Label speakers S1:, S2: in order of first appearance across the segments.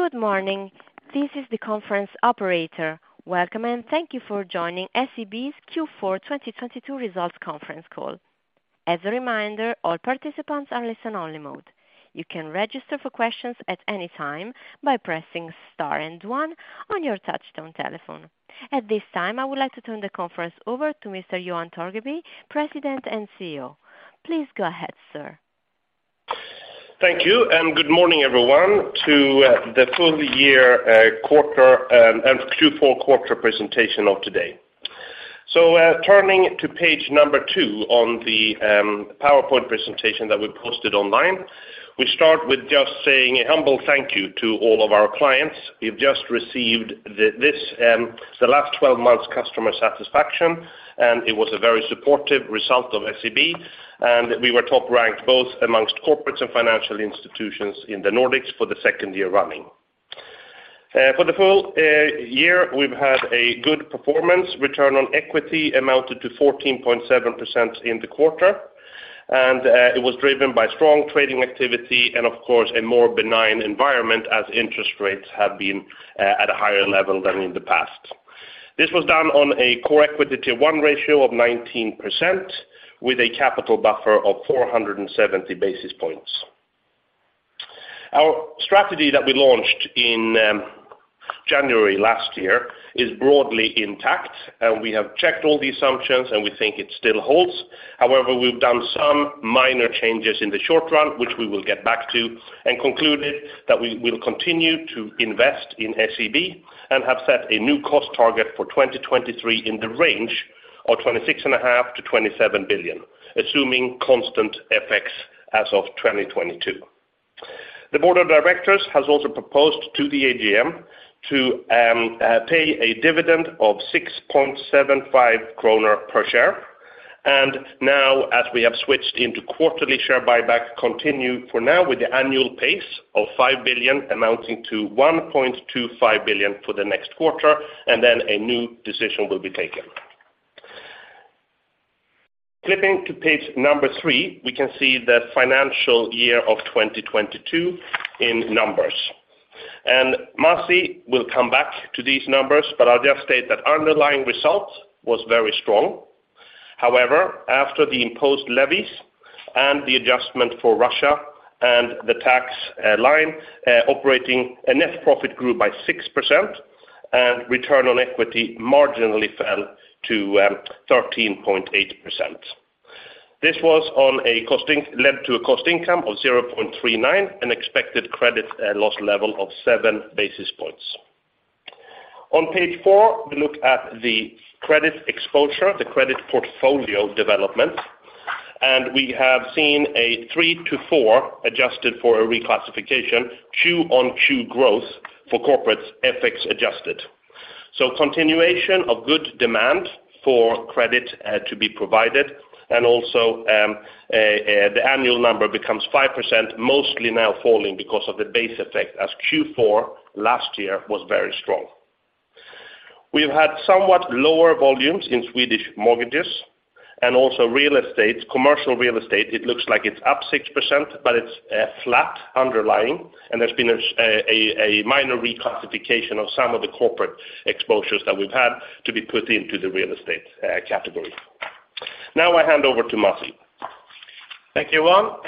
S1: Good morning. This is the conference operator. Welcome, and thank you for joining SEB's Q4 2022 Results Conference Call. As a reminder, all participants are listen-only mode. You can register for questions at any time by pressing star and one on your touchtone telephone. At this time, I would like to turn the conference over to Mr. Johan Torgeby, President and CEO. Please go ahead, sir.
S2: Thank you, and good morning, everyone, to the full-year quarter and Q4 quarter presentation of today. Turning to page number two on the PowerPoint presentation that we posted online, we start with just saying a humble thank you to all of our clients. We've just received this the last 12 months customer satisfaction, and it was a very supportive result of SEB. We were top ranked both amongst corporates and financial institutions in the Nordics for the second year running. For the full year, we've had a good performance. Return on equity amounted to 14.7% in the quarter, and it was driven by strong trading activity and of course, a more benign environment as interest rates have been at a higher level than in the past. This was done on a core equity to one ratio of 19% with a capital buffer of 470 basis points. Our strategy that we launched in January last year is broadly intact, and we have checked all the assumptions, and we think it still holds. However, we've done some minor changes in the short run, which we will get back to, and concluded that we will continue to invest in SEB and have set a new cost target for 2023 in the range of 26.5 billion-27 billion, assuming constant FX as of 2022. The board of directors has also proposed to the AGM to pay a dividend of 6.75 kronor per share. Now, as we have switched into quarterly share buyback, continue for now with the annual pace of 5 billion, amounting to 1.25 billion for the next quarter, and then a new decision will be taken. Flipping to page three, we can see the financial year of 2022 in numbers. Masih will come back to these numbers, but I'll just state that underlying results was very strong. However, after the imposed levies and the adjustment for Russia and the tax line, operating a net profit grew by 6% and return on equity marginally fell to 13.8%. This was led to a cost income of 0.39, an expected credit loss level of 7 basis points. On page four, we look at the credit exposure, the credit portfolio development, and we have seen a 3%-4% adjusted for a reclassification, Q-on-Q growth for corporates FX-adjusted. Continuation of good demand for credit to be provided and also the annual number becomes 5%, mostly now falling because of the base effect as Q4 last year was very strong. We've had somewhat lower volumes in Swedish mortgages and also real estate. Commercial real estate, it looks like it's up 6%, but it's flat underlying. There's been a minor reclassification of some of the corporate exposures that we've had to be put into the real estate category. Now I hand over to Masih.
S3: Thank you, Johan.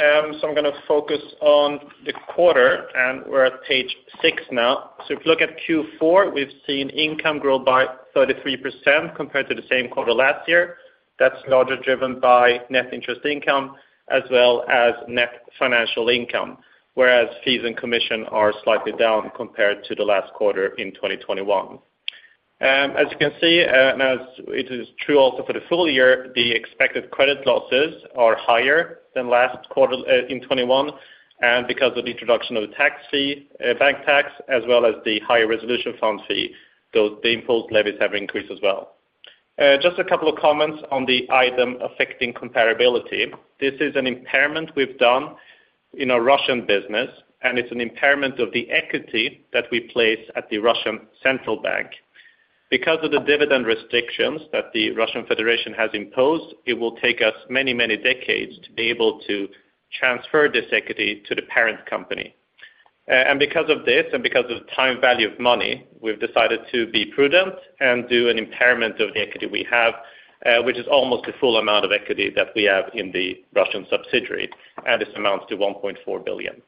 S3: I'm gonna focus on the quarter, and we're at page six now. If you look at Q4, we've seen income grow by 33% compared to the same quarter last year. That's largely driven by net interest income as well as net financial income, whereas fees and commission are slightly down compared to the last quarter in 2021. As you can see, and as it is true also for the full year, the expected credit losses are higher than last quarter in 2021. Because of the introduction of the tax fee, bank tax, as well as the higher resolution fund fee, the imposed levies have increased as well. Just a couple of comments on the item affecting comparability. This is an impairment we've done in our Russian business. It's an impairment of the equity that we place at the Russian Central Bank. Because of the dividend restrictions that the Russian Federation has imposed, it will take us many, many decades to be able to transfer this equity to the parent company. Because of this, and because of time value of money, we've decided to be prudent and do an impairment of the equity we have, which is almost the full amount of equity that we have in the Russian subsidiary. This amounts to 1.4 billion.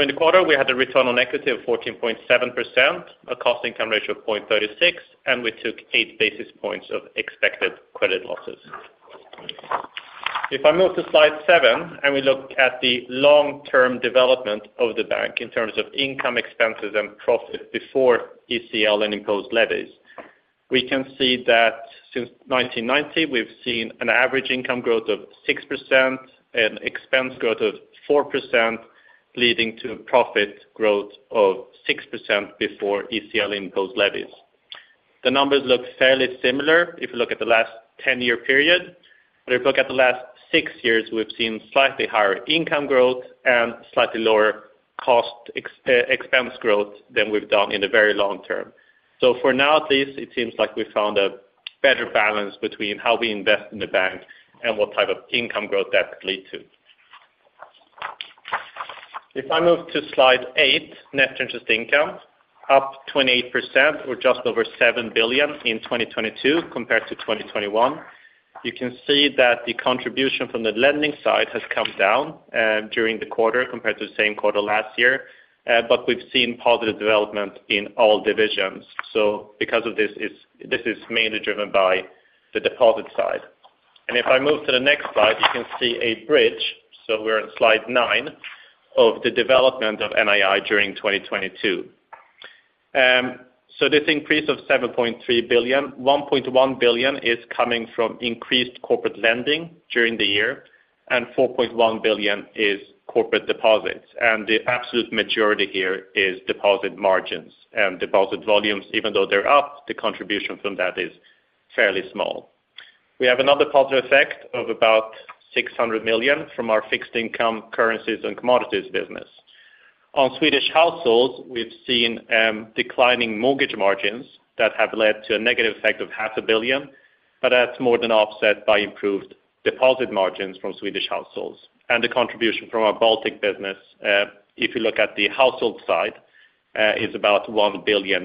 S3: In the quarter, we had a return on equity of 14.7%, a cost income ratio of 0.36. We took 8 basis points of expected credit losses. If I move to slide seven, and we look at the long-term development of the bank in terms of income expenses and profit before ECL and imposed levies, we can see that since 1990, we've seen an average income growth of 6% and expense growth of 4%, leading to profit growth of 6% before ECL imposed levies. The numbers look fairly similar if you look at the last 10-year period. If you look at the last six years, we've seen slightly higher income growth and slightly lower cost expense growth than we've done in the very long term. For now at least, it seems like we found a better balance between how we invest in the bank and what type of income growth that could lead to. If I move to slide eight, net interest income up 28% or just over 7 billion in 2022 compared to 2021. You can see that the contribution from the lending side has come down during the quarter compared to the same quarter last year. But we've seen positive development in all divisions. Because of this is mainly driven by the deposit side. If I move to the next slide, you can see a bridge, so we're on slide nine, of the development of NII during 2022. This increase of 7.3 billion, 1.1 billion is coming from increased corporate lending during the year, and 4.1 billion is corporate deposits. The absolute majority here is deposit margins. Deposit volumes, even though they're up, the contribution from that is fairly small. We have another positive effect of about 600 million from our Fixed Income, Currencies and Commodities business. On Swedish households, we've seen declining mortgage margins that have led to a negative effect of 500 million, but that's more than offset by improved deposit margins from Swedish households. The contribution from our Baltic business, if you look at the household side, is about 1 billion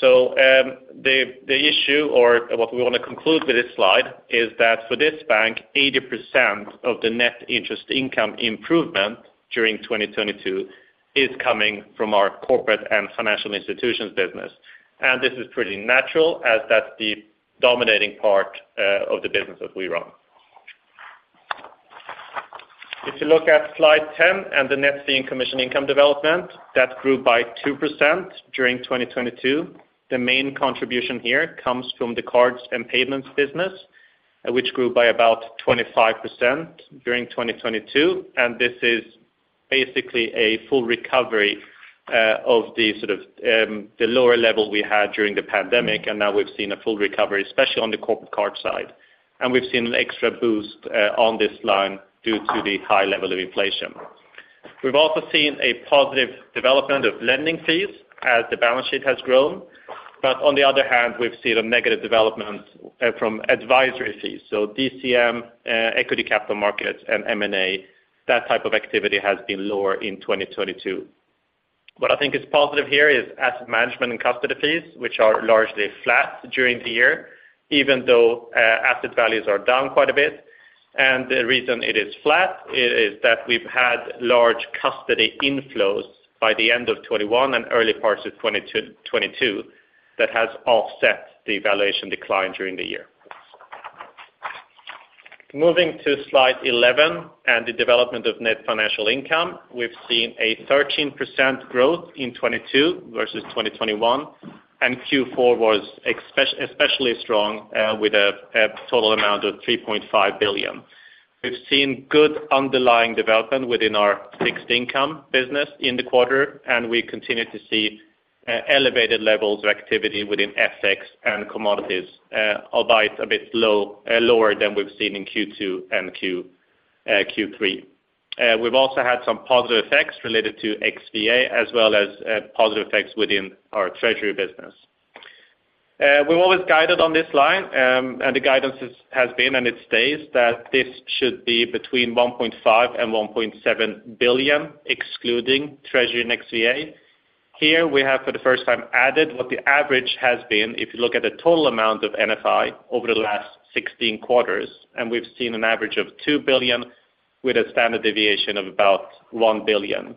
S3: year-over-year. The issue or what we want to conclude with this slide is that for this bank, 80% of the net interest income improvement during 2022 is coming from our Corporate and Financial Institutions business. This is pretty natural as that's the dominating part of the business that we run. If you look at slide 10 and the net fee and commission income development, that grew by 2% during 2022. The main contribution here comes from the cards and payments business, which grew by about 25% during 2022. This is basically a full recovery of the sort of the lower level we had during the pandemic, and now we've seen a full recovery, especially on the corporate card side. We've seen an extra boost on this line due to the high level of inflation. We've also seen a positive development of lending fees as the balance sheet has grown. On the other hand, we've seen a negative development from advisory fees. DCM, equity capital markets and M&A, that type of activity has been lower in 2022. What I think is positive here is asset management and custody fees, which are largely flat during the year, even though asset values are down quite a bit. The reason it is flat is that we've had large custody inflows by the end of 2021 and early parts of 2022, that has offset the valuation decline during the year. Moving to slide 11 and the development of net financial income, we've seen a 13% growth in 2022 versus 2021. Q4 was especially strong, with a total amount of 3.5 billion. We've seen good underlying development within our fixed income business in the quarter. We continue to see elevated levels of activity within FX and commodities, albeit a bit low, lower than we've seen in Q2 and Q3. We've also had some positive effects related to XVA as well as positive effects within our treasury business. We've always guided on this line, the guidance is, has been, and it stays that this should be between 1.5 billion and 1.7 billion excluding treasury and XVA. Here we have, for the first time, added what the average has been if you look at the total amount of NFI over the last 16 quarters, we've seen an average of 2 billion with a standard deviation of about 1 billion.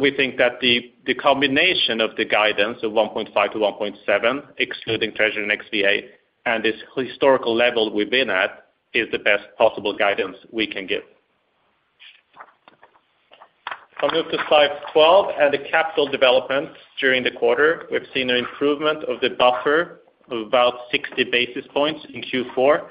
S3: We think that the combination of the guidance of 1.5 billion-1.7 billion excluding treasury and XVA and this historical level we've been at, is the best possible guidance we can give. If I move to slide 12 and the capital development during the quarter, we've seen an improvement of the buffer of about 60 basis points in Q4.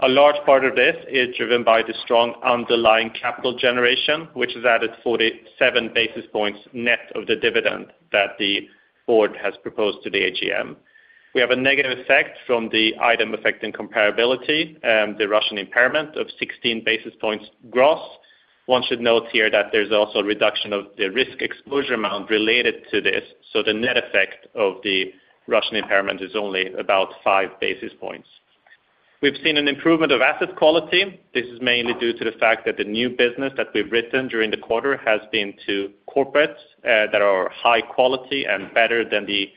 S3: A large part of this is driven by the strong underlying capital generation, which has added 47 basis points net of the dividend that the board has proposed to the AGM. We have a negative effect from the item affecting comparability, the Russian impairment of 16 basis points gross. One should note here that there's also a reduction of the risk exposure amount related to this, the net effect of the Russian impairment is only about 5 basis points. We've seen an improvement of asset quality. This is mainly due to the fact that the new business that we've written during the quarter has been to corporates, that are high quality and better than the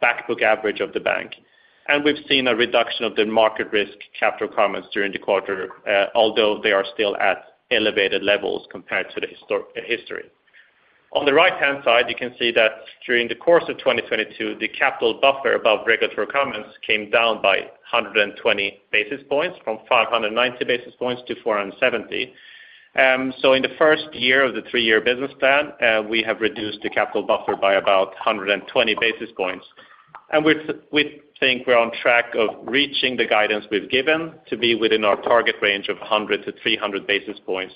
S3: back book average of the bank. We've seen a reduction of the market risk capital requirements during the quarter, although they are still at elevated levels compared to the history. On the right-hand side, you can see that during the course of 2022, the capital buffer above regulatory requirements came down by 120 basis points from 590 basis points to 470 basis points. In the first year of the three-year business plan, we have reduced the capital buffer by about 120 basis points. We think we're on track of reaching the guidance we've given to be within our target range of 100 to 300 basis points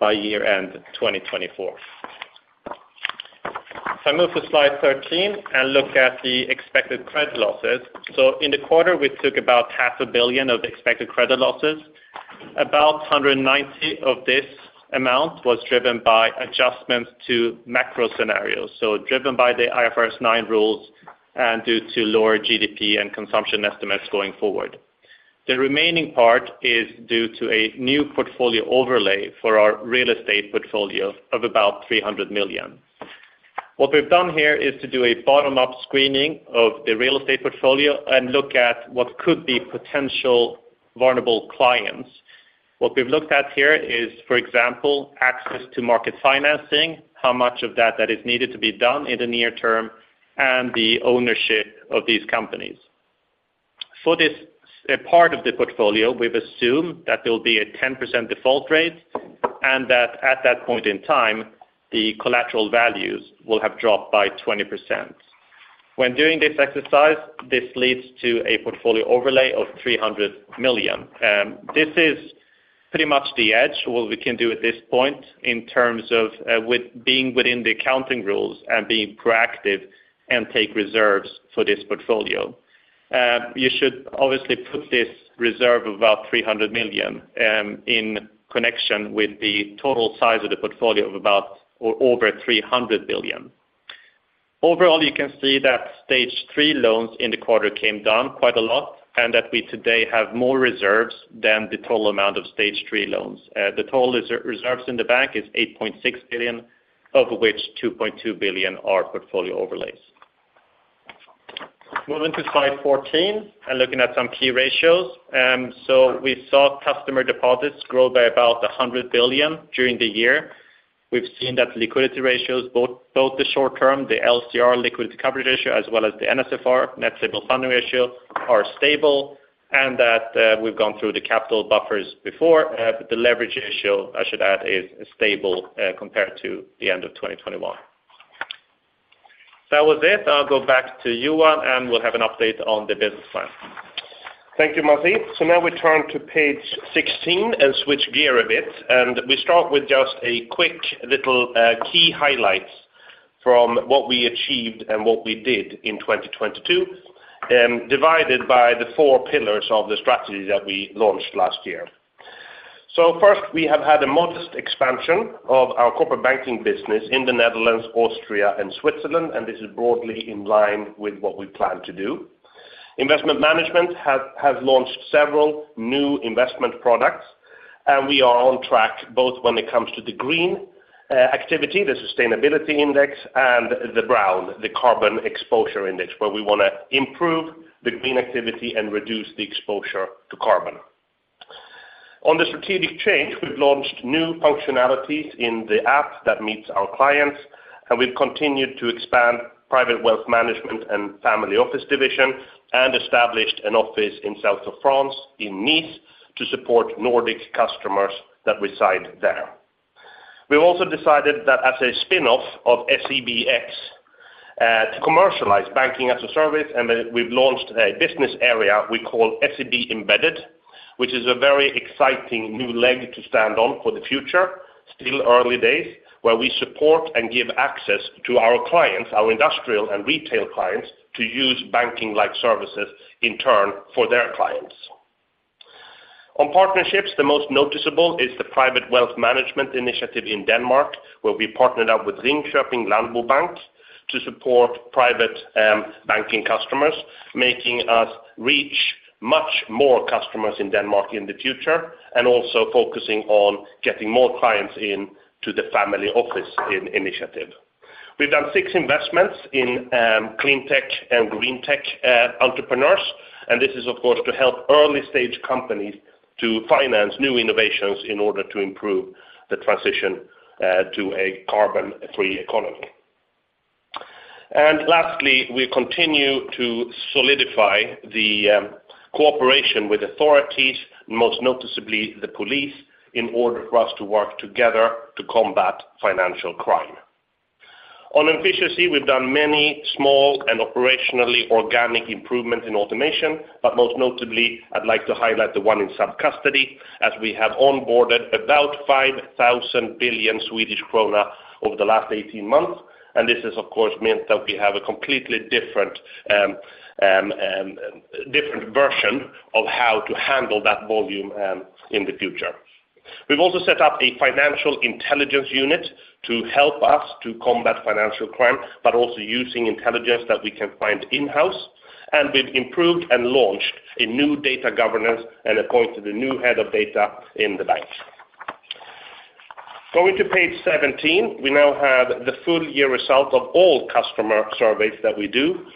S3: by year-end 2024. If I move to slide 13 and look at the Expected Credit Losses. In the quarter, we took about 500 million of Expected Credit Losses. About 190 million of this amount was driven by adjustments to macro scenarios, driven by the IFRS 9 rules and due to lower GDP and consumption estimates going forward. The remaining part is due to a new portfolio overlay for our real estate portfolio of about 300 million. What we've done here is to do a bottom-up screening of the real estate portfolio and look at what could be potential vulnerable clients. What we've looked at here is, for example, access to market financing, how much of that that is needed to be done in the near term, and the ownership of these companies. For this part of the portfolio, we've assumed that there will be a 10% default rate and that at that point in time, the collateral values will have dropped by 20%. When doing this exercise, this leads to a portfolio overlay of 300 million. This is pretty much the edge what we can do at this point in terms of with being within the accounting rules and being proactive and take reserves for this portfolio. You should obviously put this reserve of about 300 million in connection with the total size of the portfolio of about or over 300 billion. Overall, you can see that Stage 3 loans in the quarter came down quite a lot and that we today have more reserves than the total amount of Stage 3 loans. The total reserves in the bank is 8.6 billion, of which 2.2 billion are portfolio overlays. Moving to slide 14 and looking at some key ratios. We saw customer deposits grow by about 100 billion during the year. We've seen that liquidity ratios, both the short term, the LCR liquidity coverage ratio, as well as the NSFR, net stable funding ratio, are stable, and that we've gone through the capital buffers before. The leverage ratio, I should add, is stable compared to the end of 2021. With this, I'll go back to Johan, and we'll have an update on the business plan.
S2: Thank you, Masih. Now we turn to page 16 and switch gear a bit. We start with just a quick little key highlights from what we achieved and what we did in 2022, divided by the four pillars of the strategy that we launched last year. First, we have had a modest expansion of our corporate banking business in the Netherlands, Austria, and Switzerland, and this is broadly in line with what we plan to do. Investment management have launched several new investment products, and we are on track both when it comes to the green activity, the sustainability index, and the brown, the carbon exposure index, where we wanna improve the green activity and reduce the exposure to carbon. On the strategic change, we've launched new functionalities in the app that meets our clients, and we've continued to expand private wealth management and family office division and established an office in south of France in Nice to support Nordic customers that reside there. We've also decided that as a spinoff of SEBx to commercialize Banking-as-a-Service, and we've launched a business area we call SEB Embedded, which is a very exciting new leg to stand on for the future, still early days, where we support and give access to our clients, our industrial and retail clients, to use banking-like services in turn for their clients. On partnerships, the most noticeable is the private wealth management initiative in Denmark, where we partnered up with Ringkjøbing Landbobank to support private banking customers, making us reach much more customers in Denmark in the future and also focusing on getting more clients into the family office in initiative. We've done six investments in clean tech and green tech entrepreneurs, and this is of course to help early-stage companies to finance new innovations in order to improve the transition to a carbon-free economy. Lastly, we continue to solidify the cooperation with authorities, most noticeably the police, in order for us to work together to combat financial crime. On efficiency, we've done many small and operationally organic improvements in automation, but most notably, I'd like to highlight the one in sub-custody as we have onboarded about 5,000 billion Swedish krona over the last 18 months. This is of course meant that we have a completely different version of how to handle that volume in the future. We've also set up a financial intelligence unit to help us to combat financial crime, but also using intelligence that we can find in-house. We've improved and launched a new data governance and appointed a new head of data in the bank. Going to page 17, we now have the full year result of all customer surveys that we do.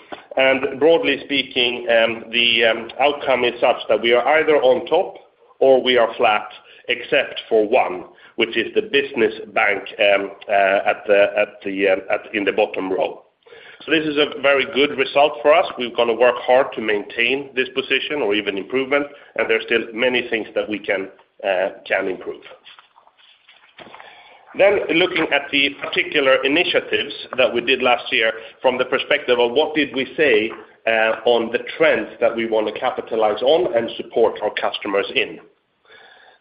S2: Broadly speaking, the outcome is such that we are either on top or we are flat, except for one, which is the business bank at the bottom row. This is a very good result for us. We're going to work hard to maintain this position or even improvement, and there are still many things that we can improve. Looking at the particular initiatives that we did last year from the perspective of what did we say on the trends that we want to capitalize on and support our customers in.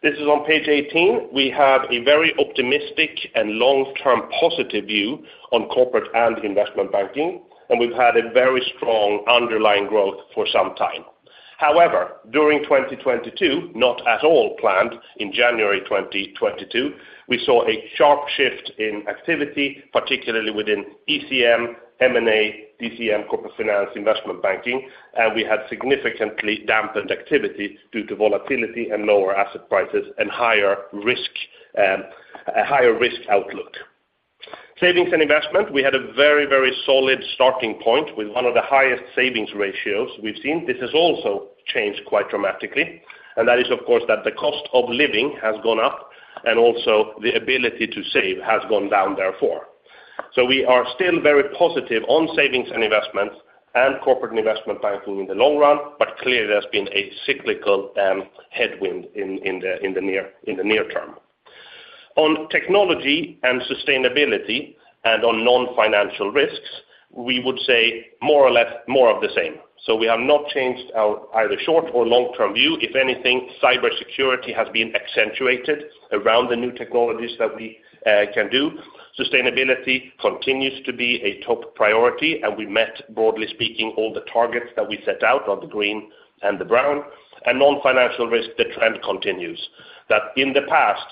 S2: This is on page 18. We have a very optimistic and long-term positive view on corporate and investment banking, and we've had a very strong underlying growth for some time. During 2022, not at all planned in January 2022, we saw a sharp shift in activity, particularly within ECM, M&A, DCM corporate finance investment banking, and we had significantly dampened activity due to volatility and lower asset prices and higher risk, a higher risk outlook. Savings and investment, we had a very, very solid starting point with one of the highest savings ratios we've seen. This has also changed quite dramatically, and that is of course that the cost of living has gone up and also the ability to save has gone down therefore. We are still very positive on savings and investments and corporate investment banking in the long run, but clearly there's been a cyclical headwind in the near term. On technology and sustainability and on non-financial risks, we would say more or less more of the same. We have not changed our either short or long-term view. If anything, cybersecurity has been accentuated around the new technologies that we can do. Sustainability continues to be a top priority, and we met, broadly speaking, all the targets that we set out on the green and the brown. Non-financial risk, the trend continues. That in the past,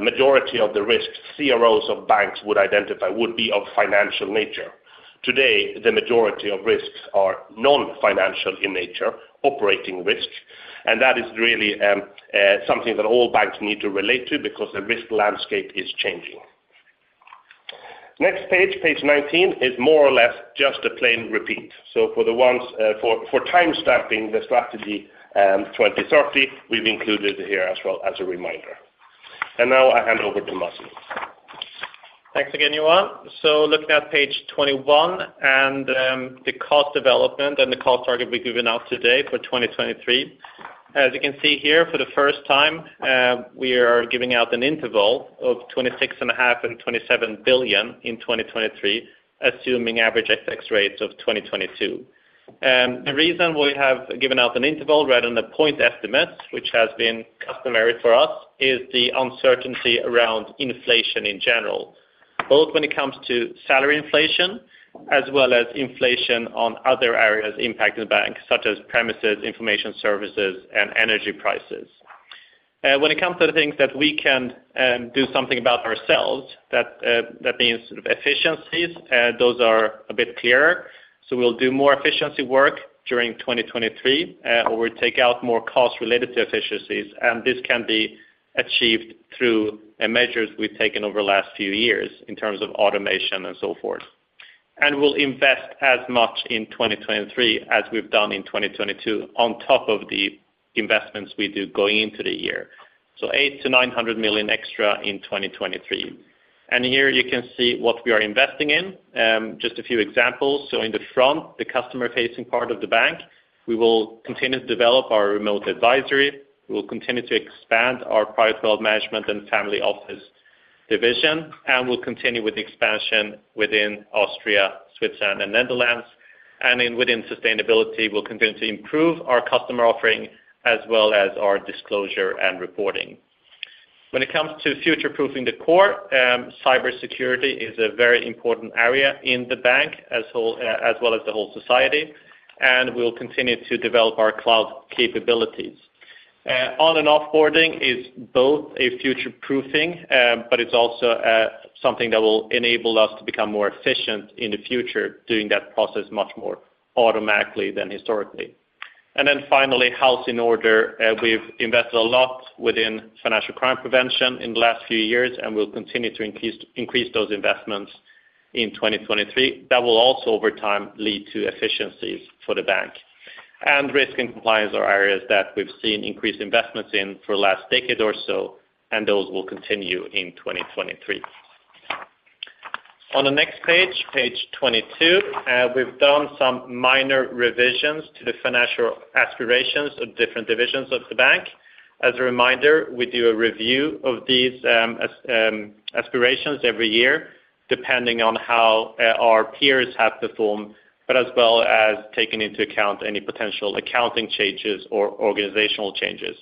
S2: majority of the risks CROs of banks would identify would be of financial nature. Today, the majority of risks are non-financial in nature, operating risk, that is really, something that all banks need to relate to because the risk landscape is changing. Next page 19, is more or less just a plain repeat. For the ones, for time stamping the strategy, 2030, we've included it here as well as a reminder. Now I hand over to Masih.
S3: Thanks again, Johan. Looking at page 21 and the cost development and the cost target we've given out today for 2023. As you can see here, for the first time, we are giving out an interval of 26.5 billion and 27 billion in 2023, assuming average FX rates of 2022. The reason we have given out an interval rather than the point estimates, which has been customary for us, is the uncertainty around inflation in general, both when it comes to salary inflation as well as inflation on other areas impacting the bank, such as premises, information services, and energy prices. When it comes to the things that we can do something about ourselves, that means efficiencies, those are a bit clearer. We'll do more efficiency work during 2023, or we take out more costs related to efficiencies, and this can be achieved through the measures we've taken over the last few years in terms of automation and so forth. We'll invest as much in 2023 as we've done in 2022 on top of the investments we do going into the year. 800 million-900 million extra in 2023. Here you can see what we are investing in. Just a few examples. In the front, the customer-facing part of the bank, we will continue to develop our remote advisory. We will continue to expand our private wealth management and family office division, and we'll continue with expansion within Austria, Switzerland, and Netherlands. In within sustainability, we'll continue to improve our customer offering as well as our disclosure and reporting. When it comes to future-proofing the core, cybersecurity is a very important area in the bank as whole, as well as the whole society, and we'll continue to develop our cloud capabilities. On and off-boarding is both a future-proofing, but it's also something that will enable us to become more efficient in the future doing that process much more automatically than historically. Finally, house in order. We've invested a lot within financial crime prevention in the last few years, and we'll continue to increase those investments in 2023. That will also over time lead to efficiencies for the bank. Risk and compliance are areas that we've seen increased investments in for the last decade or so, and those will continue in 2023. On the next page 22, we've done some minor revisions to the financial aspirations of different divisions of the bank. As a reminder, we do a review of these aspirations every year, depending on how our peers have performed, but as well as taking into account any potential accounting changes or organizational changes.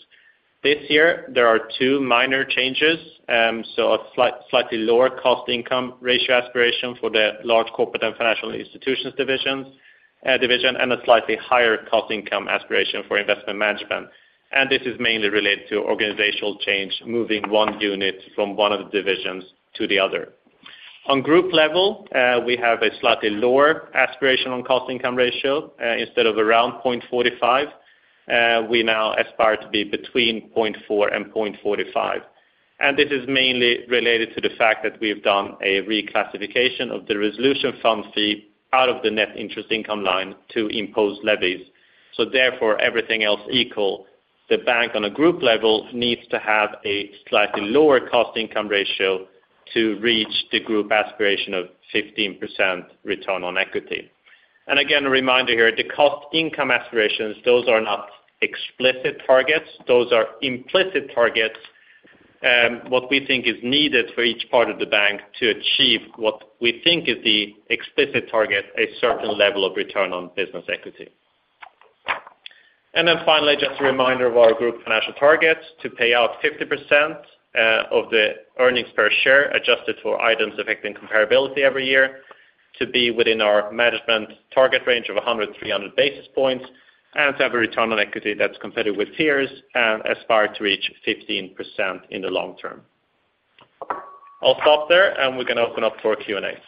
S3: This year, there are two minor changes. So a slightly lower cost income ratio aspiration for the large Corporate and Financial Institutions division, and a slightly higher cost income aspiration for investment management. This is mainly related to organizational change, moving one unit from one of the divisions to the other. On group level, we have a slightly lower aspiration on cost income ratio. Instead of around 0.45, we now aspire to be between 0.4 and 0.45. This is mainly related to the fact that we've done a reclassification of the resolution fund fee out of the net interest income line to impose levies. Therefore, everything else equal, the bank on a group level needs to have a slightly lower cost income ratio to reach the group aspiration of 15% return on equity. Again, a reminder here, the cost income aspirations, those are not explicit targets. Those are implicit targets, what we think is needed for each part of the bank to achieve what we think is the explicit target, a certain level of return on business equity. Finally, just a reminder of our group financial targets to pay out 50% of the earnings per share adjusted for items affecting comparability every year. To be within our management target range of 100-300 basis points and to have a return on equity that's competitive with peers and aspire to reach 15% in the long term. I'll stop there and we can open up for Q&A.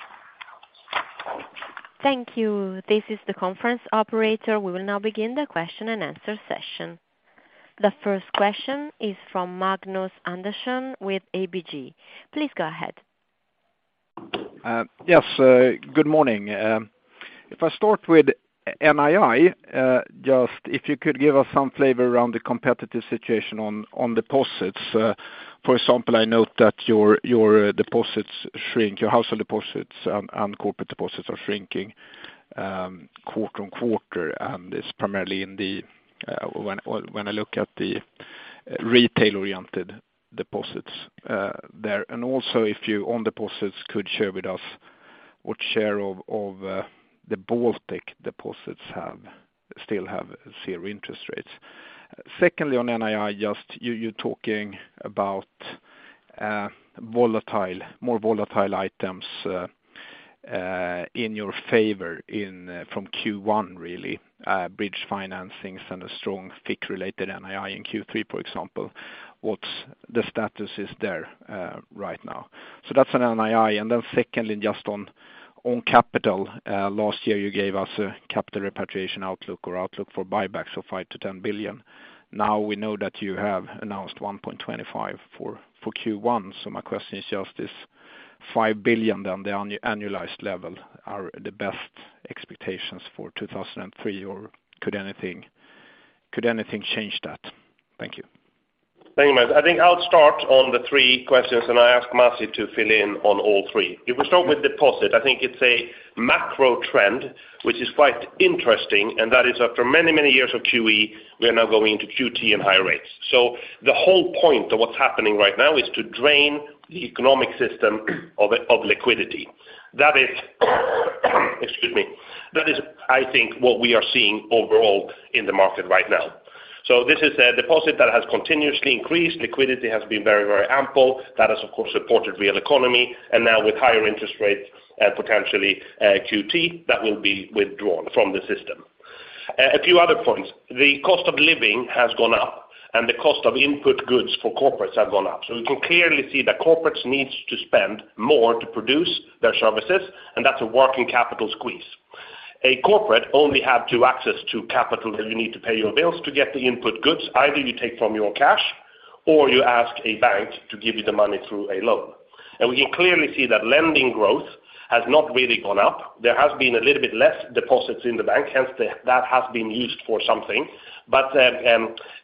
S1: Thank you. This is the conference operator. We will now begin the question-and-answer session. The first question is from Magnus Andersson with ABG. Please go ahead.
S4: Yes, good morning. If I start with NII, just if you could give us some flavor around the competitive situation on deposits. For example, I note that your deposits shrink, your household deposits and corporate deposits are shrinking, quarter-on-quarter. It's primarily in the when I look at the retail-oriented deposits there. Also if you on deposits could share with us what share of the Baltic deposits still have zero interest rates. Secondly, on NII, just you're talking about more volatile items in your favor from Q1, really, bridge financings and a strong FIC-related NII in Q3, for example. What's the status there right now? That's on NII. Secondly, just on capital, last year you gave us a capital repatriation outlook or outlook for buybacks of 5 billion-10 billion. We know that you have announced 1.25 billion for Q1. My question is just this 5 billion then the annualized level are the best expectations for 2003 or could anything change that? Thank you.
S2: Thank you, Magnus. I think I'll start on the three questions. I ask Masih to fill in on all three. If we start with deposit, I think it's a macro trend, which is quite interesting, that is after many years of QE, we are now going to QT and higher rates. The whole point of what's happening right now is to drain the economic system of liquidity. That is, excuse me. That is, I think, what we are seeing overall in the market right now. This is a deposit that has continuously increased. Liquidity has been very ample. That has, of course, supported real economy. Now with higher interest rates and potentially QT, that will be withdrawn from the system. A few other points. The cost of living has gone up and the cost of input goods for corporates have gone up. We can clearly see that corporates needs to spend more to produce their services, and that's a working capital squeeze. A corporate only have to access to capital that you need to pay your bills to get the input goods, either you take from your cash or you ask a bank to give you the money through a loan. We can clearly see that lending growth has not really gone up. There has been a little bit less deposits in the bank, hence that has been used for something, but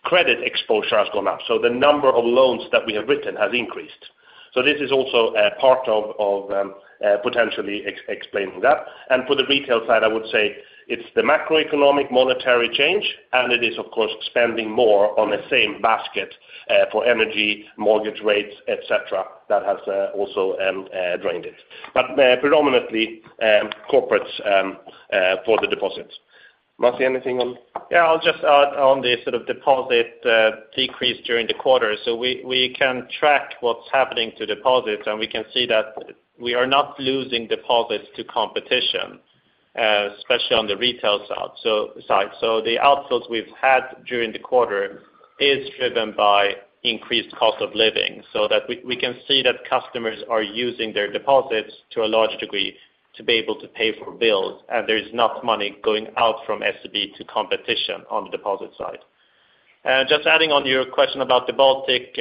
S2: credit exposure has gone up. The number of loans that we have written has increased. This is also a part of, potentially explaining that. For the retail side, I would say it's the macroeconomic monetary change, and it is of course, spending more on the same basket, for energy, mortgage rates, et cetera, that has also drained it. Predominantly, corporates, for the deposits. Masih, anything on?
S3: I'll just add on the sort of deposit decrease during the quarter. We can track what's happening to deposits, and we can see that we are not losing deposits to competition, especially on the retail side. The outflows we've had during the quarter is driven by increased cost of living so that we can see that customers are using their deposits to a large degree to be able to pay for bills. There is not money going out from SEB to competition on the deposit side. Just adding on your question about the Baltic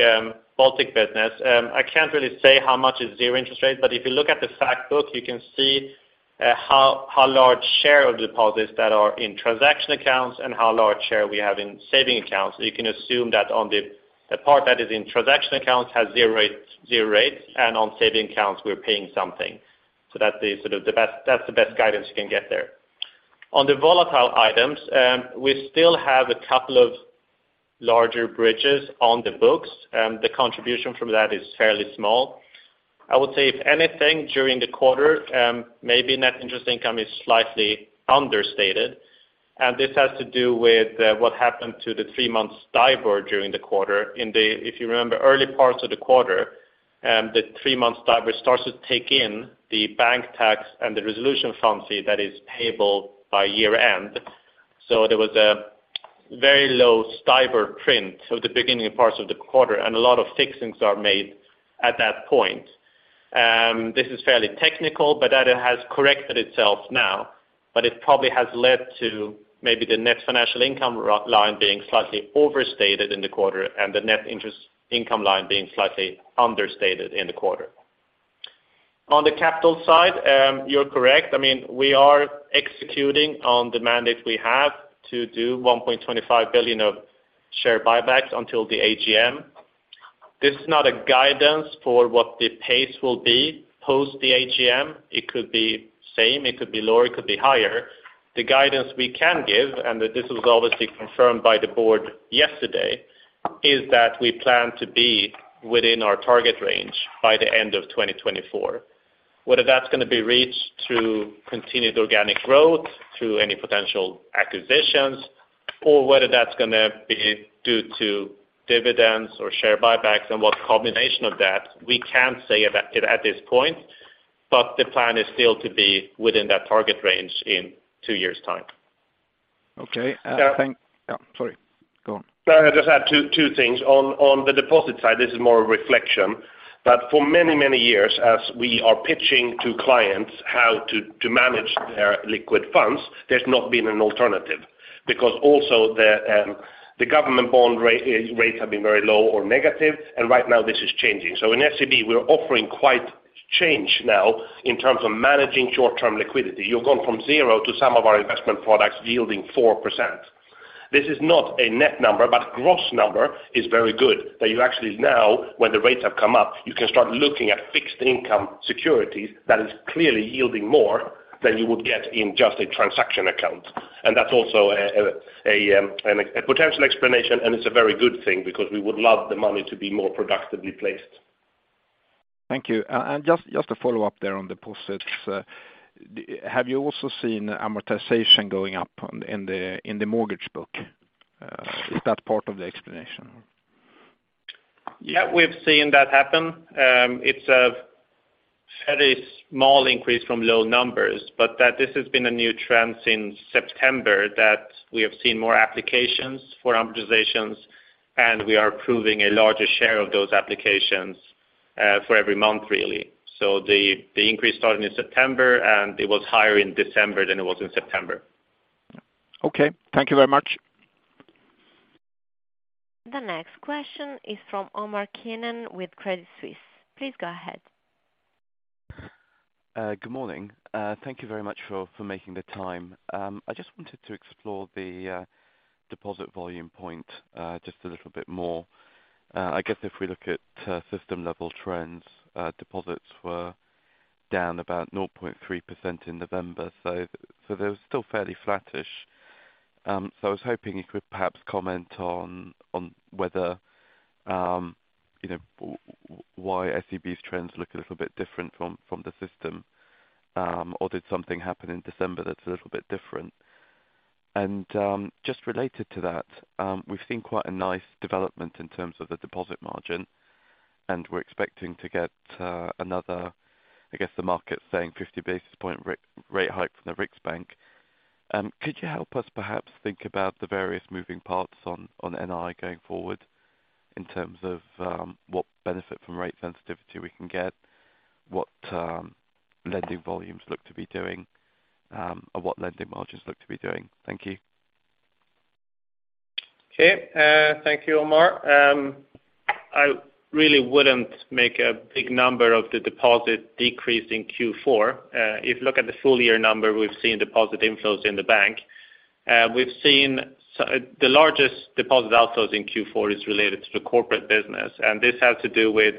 S3: business, I can't really say how much is zero interest rates, but if you look at the fact book, you can see how large share of deposits that are in transaction accounts and how large share we have in saving accounts. You can assume that on the part that is in transaction accounts has zero rates, and on saving accounts we're paying something. That's the sort of the best, that's the best guidance you can get there. On the volatile items, we still have a couple of larger bridges on the books, and the contribution from that is fairly small. I would say if anything during the quarter, maybe net interest income is slightly understated, and this has to do with what happened to the three-month STIBOR during the quarter. In the, if you remember, early parts of the quarter, the three-month STIBOR starts to take in the bank tax and the resolution fund fee that is payable by year-end. There was a very low STIBOR print of the beginning parts of the quarter, and a lot of fixings are made at that point. This is fairly technical, but that it has corrected itself now, but it probably has led to maybe the net financial income line being slightly overstated in the quarter and the net interest income line being slightly understated in the quarter. On the capital side, you're correct. I mean, we are executing on the mandate we have to do 1.25 billion of share buybacks until the AGM. This is not a guidance for what the pace will be post the AGM. It could be same, it could be lower, it could be higher. The guidance we can give, and this was obviously confirmed by the board yesterday, is that we plan to be within our target range by the end of 2024. Whether that's gonna be reached through continued organic growth, through any potential acquisitionsOr whether that's gonna be due to dividends or share buybacks and what combination of that we can't say at this point, but the plan is still to be within that target range in two years time.
S4: Okay.
S3: Yeah.
S4: Yeah, sorry. Go on.
S3: Can I just add two things? On the deposit side, this is more a reflection, but for many years, as we are pitching to clients how to manage their liquid funds, there's not been an alternative. Also the government bond rates have been very low or negative, and right now this is changing. In SEB, we're offering quite change now in terms of managing short-term liquidity. You've gone from zero to some of our investment products yielding 4%. This is not a net number, but gross number is very good, that you actually now, when the rates have come up, you can start looking at fixed income securities that is clearly yielding more than you would get in just a transaction account. That's also a potential explanation, and it's a very good thing because we would love the money to be more productively placed.
S4: Thank you. Just to follow up there on deposits, have you also seen amortization going up in the mortgage book? Is that part of the explanation?
S2: Yeah, we've seen that happen. It's a very small increase from low numbers, but that this has been a new trend since September that we have seen more applications for amortizations, and we are approving a larger share of those applications, for every month, really. The increase started in September, and it was higher in December than it was in September.
S4: Okay. Thank you very much.
S1: The next question is from Omar Keenan with Credit Suisse. Please go ahead.
S5: Good morning. Thank you very much for making the time. I just wanted to explore the deposit volume point just a little bit more. I guess if we look at system level trends, deposits were down about 0.3% in November. They were still fairly flattish. I was hoping you could perhaps comment on whether, you know, why SEB's trends look a little bit different from the system, or did something happen in December that's a little bit different? Just related to that, we've seen quite a nice development in terms of the deposit margin, and we're expecting to get another, I guess the market saying 50 basis point rate hike from the Riksbank. Could you help us perhaps think about the various moving parts on NII going forward in terms of, what benefit from rate sensitivity we can get? What lending volumes look to be doing, and what lending margins look to be doing? Thank you.
S2: Thank you, Omar. I really wouldn't make a big number of the deposit decrease in Q4. If you look at the full year number, we've seen deposit inflows in the bank. We've seen the largest deposit outflows in Q4 is related to corporate business, and this has to do with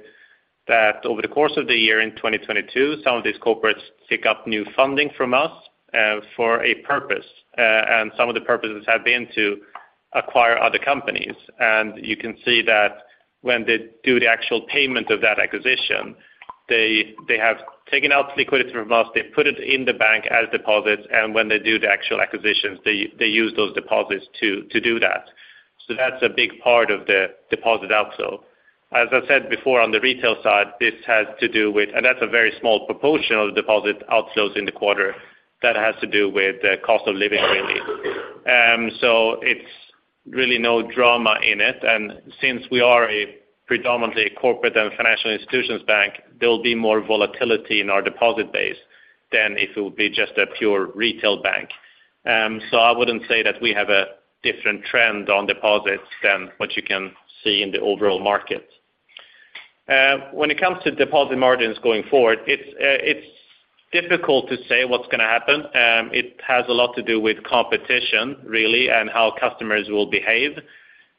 S2: that over the course of the year in 2022, some of these corporates take up new funding from us for a purpose. Some of the purposes have been to acquire other companies. You can see that when they do the actual payment of that acquisition, they have taken out liquidity from us, they've put it in the bank as deposits, and when they do the actual acquisitions, they use those deposits to do that. That's a big part of the deposit outflow. As I said before on the retail side, this has to do with. That's a very small proportion of the deposit outflows in the quarter that has to do with the cost of living really. It's really no drama in it. Since we are a predominantly corporate and financial institutions bank, there'll be more volatility in our deposit base than if it would be just a pure retail bank. I wouldn't say that we have a different trend on deposits than what you can see in the overall market. When it comes to deposit margins going forward, it's difficult to say what's gonna happen. It has a lot to do with competition really, and how customers will behave.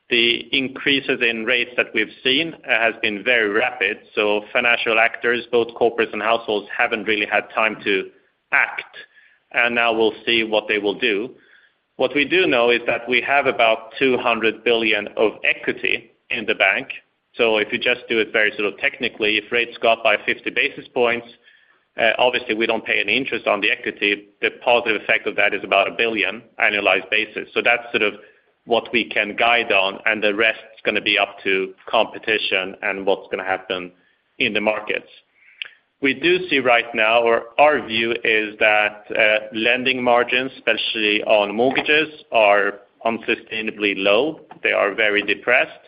S2: The increases in rates that we've seen has been very rapid, so financial actors, both corporates and households, haven't really had time to act, and now we'll see what they will do. What we do know is that we have about 200 billion of equity in the bank. If you just do it very sort of technically, if rates go up by 50 basis points, obviously we don't pay any interest on the equity. The positive effect of that is about 1 billion annualized basis. That's sort of what we can guide on, and the rest is gonna be up to competition and what's gonna happen in the markets. We do see right now or our view is that lending margins, especially on mortgages, are unsustainably low. They are very depressed.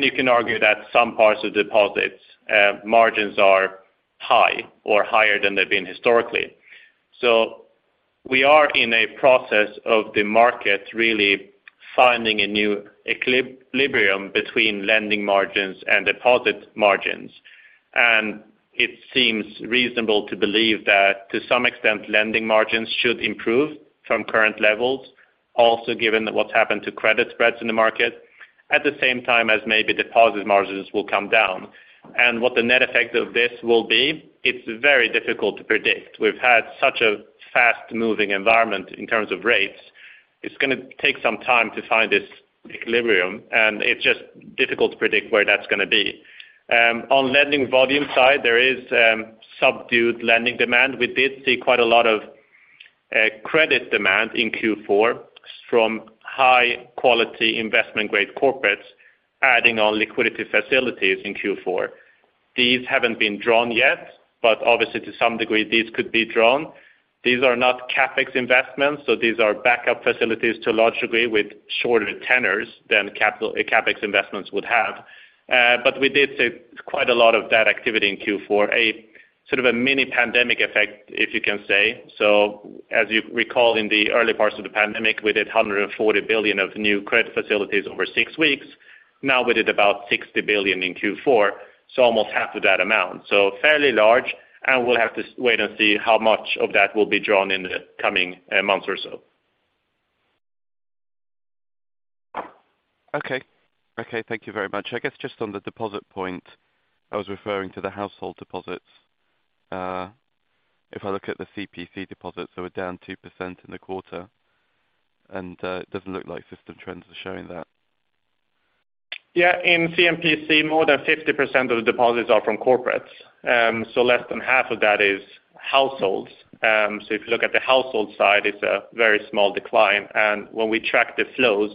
S2: You can argue that some parts of deposits, margins are high or higher than they've been historically. We are in a process of the market really finding a new equilibrium between lending margins and deposit margins. It seems reasonable to believe that to some extent, lending margins should improve from current levels, also given what's happened to credit spreads in the market, at the same time as maybe deposit margins will come down. What the net effect of this will be, it's very difficult to predict. We've had such a fast-moving environment in terms of rates. It's gonna take some time to find this Equilibrium, it's just difficult to predict where that's gonna be. On lending volume side, there is subdued lending demand. We did see quite a lot of credit demand in Q4 from high quality investment-grade corporates adding on liquidity facilities in Q4. These haven't been drawn yet, obviously, to some degree, these could be drawn. These are not CapEx investments, so these are backup facilities to logically with shorter tenors than capital, CapEx investments would have. We did see quite a lot of that activity in Q4, a sort of a mini pandemic effect, if you can say. As you recall, in the early parts of the pandemic, we did 140 billion of new credit facilities over six weeks. Now we did about 60 billion in Q4, almost half of that amount. fairly large, and we'll have to wait and see how much of that will be drawn in the coming, months or so.
S5: Okay. Okay, thank you very much. I guess just on the deposit point, I was referring to the household deposits. If I look at the CPC deposits, they were down 2% in the quarter, and it doesn't look like system trends are showing that.
S3: In C&PC, more than 50% of the deposits are from corporates. Less than half of that is households. If you look at the household side, it's a very small decline. When we track the flows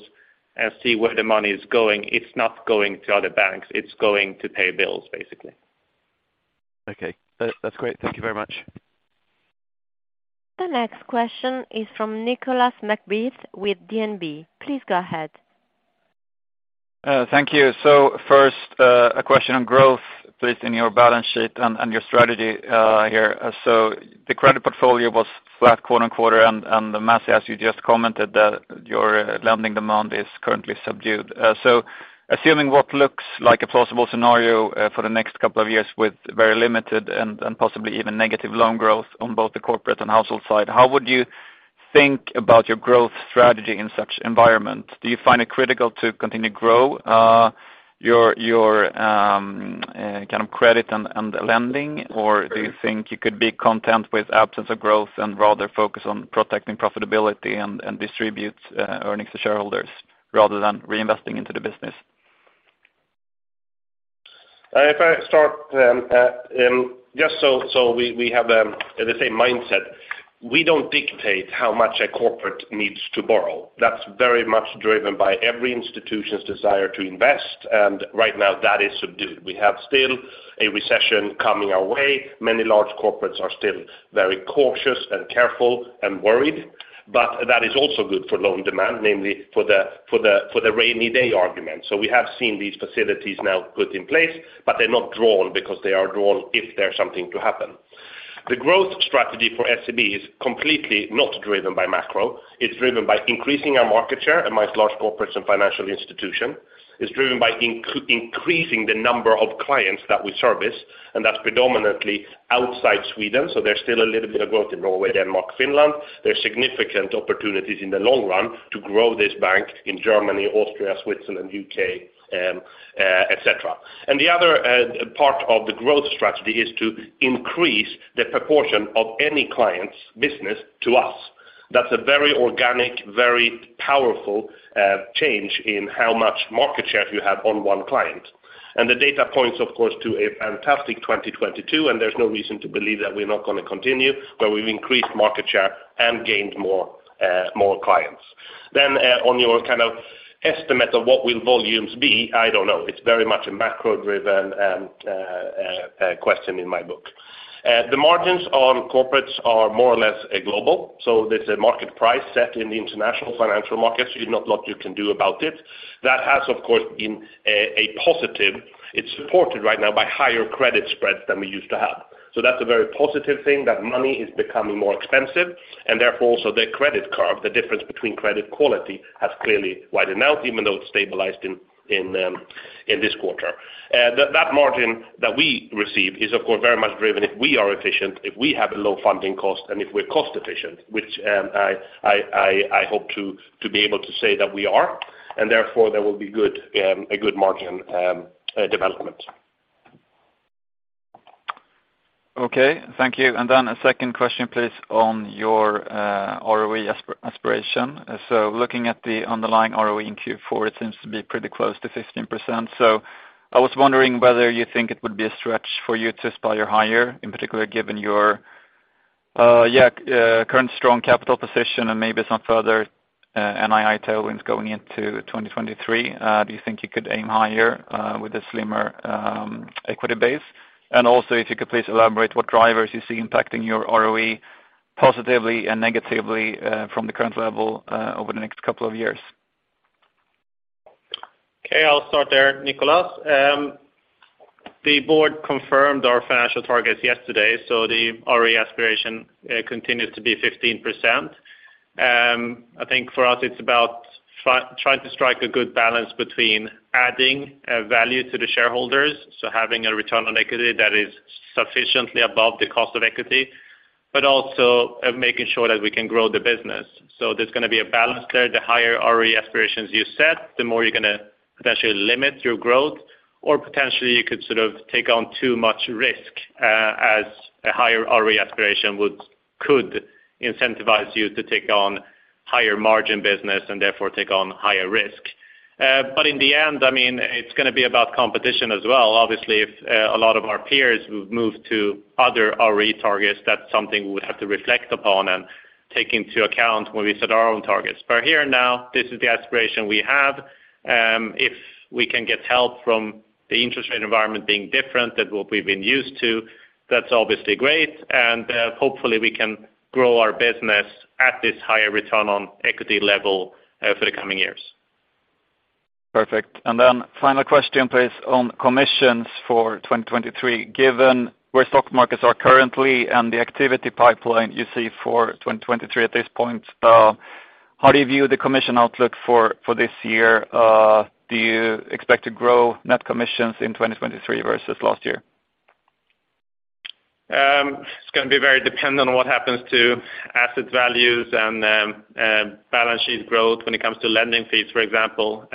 S3: and see where the money is going, it's not going to other banks, it's going to pay bills, basically.
S5: Okay. That's great. Thank you very much.
S1: The next question is from Nicolas McBeath with DNB. Please go ahead.
S6: Thank you. First, a question on growth, please, in your balance sheet and your strategy here. The credit portfolio was flat quarter-over-quarter and Masih, as you just commented, your lending demand is currently subdued. Assuming what looks like a plausible scenario for the next couple of years with very limited and possibly even negative loan growth on both the corporate and household side, how would you think about your growth strategy in such environment? Do you find it critical to continue to grow your kind of credit and lending? Do you think you could be content with absence of growth and rather focus on protecting profitability and distribute earnings to shareholders rather than reinvesting into the business?
S2: If I start then, just so we have the same mindset, we don't dictate how much a corporate needs to borrow. That's very much driven by every institution's desire to invest, and right now that is subdued. We have still a recession coming our way. Many large corporates are still very cautious and careful and worried. That is also good for loan demand, namely for the rainy day argument. We have seen these facilities now put in place, but they're not drawn because they are drawn if there's something to happen. The growth strategy for SEB is completely not driven by macro. It's driven by increasing our market share amongst large corporates and financial institution. It's driven by increasing the number of clients that we service, and that's predominantly outside Sweden, so there's still a little bit of growth in Norway, Denmark, Finland. There's significant opportunities in the long run to grow this bank in Germany, Austria, Switzerland, U.K., et cetera. The other part of the growth strategy is to increase the proportion of any client's business to us. That's a very organic, very powerful, change in how much market share you have on one client. The data points, of course, to a fantastic 2022, and there's no reason to believe that we're not gonna continue, where we've increased market share and gained more clients. On your kind of estimate of what will volumes be, I don't know. It's very much a macro-driven question in my book. The margins on corporates are more or less a global. There's a market price set in the international financial markets. There's not a lot you can do about it. That has, of course, been a positive. It's supported right now by higher credit spreads than we used to have. That's a very positive thing, that money is becoming more expensive, and therefore, also the credit curve, the difference between credit quality has clearly widened out, even though it's stabilized in this quarter. That margin that we receive is, of course, very much driven if we are efficient, if we have low funding costs, and if we're cost efficient, which I hope to be able to say that we are, and therefore there will be good a good margin development.
S6: Okay, thank you. A second question, please, on your ROE aspiration. Looking at the underlying ROE in Q4, it seems to be pretty close to 15%. I was wondering whether you think it would be a stretch for you to aspire higher, in particular, given your current strong capital position and maybe some further NII tailwinds going into 2023. Do you think you could aim higher with a slimmer equity base? If you could please elaborate what drivers you see impacting your ROE positively and negatively from the current level over the next couple of years.
S2: Okay, I'll start there, Nicolas. The board confirmed our financial targets yesterday, so the ROE aspiration continues to be 15%. I think for us it's about trying to strike a good balance between adding value to the shareholders, so having a return on equity that is sufficiently above the cost of equity, but also making sure that we can grow the business. There's gonna be a balance there. The higher ROE aspirations you set, the more you're gonna potentially limit your growth. Potentially you could sort of take on too much risk, as a higher ROE aspiration could incentivize you to take on higher margin business and therefore take on higher risk. In the end, I mean, it's gonna be about competition as well. Obviously, if a lot of our peers who've moved to other ROE targets, that's something we would have to reflect upon and take into account when we set our own targets. Here now, this is the aspiration we have. If we can get help from the interest rate environment being different than what we've been used to, that's obviously great, and hopefully we can grow our business at this higher return on equity level for the coming years.
S6: Perfect. Final question, please, on commissions for 2023. Given where stock markets are currently and the activity pipeline you see for 2023 at this point, how do you view the commission outlook for this year? Do you expect to grow net commissions in 2023 versus last year?
S2: It's gonna be very dependent on what happens to asset values and balance sheet growth when it comes to lending fees, for example.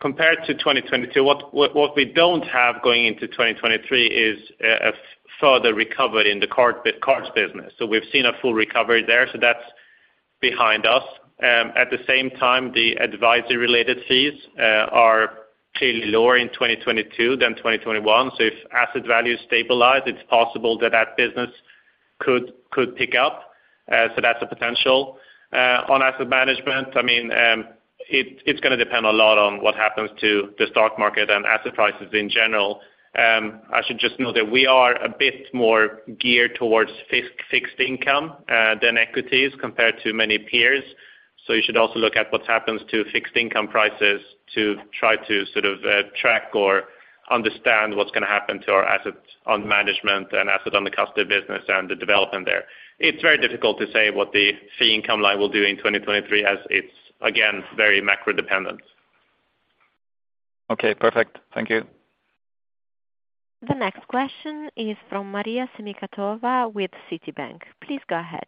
S2: Compared to 2022, what we don't have going into 2023 is a further recovery in the cards business. We've seen a full recovery there, so that's behind us. At the same time, the advisory related fees are clearly lower in 2022 than 2021. If asset values stabilize, it's possible that that business could pick up, so that's a potential. On asset management, I mean, it's gonna depend a lot on what happens to the stock market and asset prices in general. I should just note that we are a bit more geared towards fixed income than equities compared to many peers. You should also look at what happens to fixed income prices to try to sort of track or understand what's gonna happen to our assets on management and asset on the custody business and the development there. It's very difficult to say what the fee income line will do in 2023 as it's, again, very macro dependent.
S6: Okay, perfect. Thank you.
S1: The next question is from Maria Semikhatova with Citibank. Please go ahead.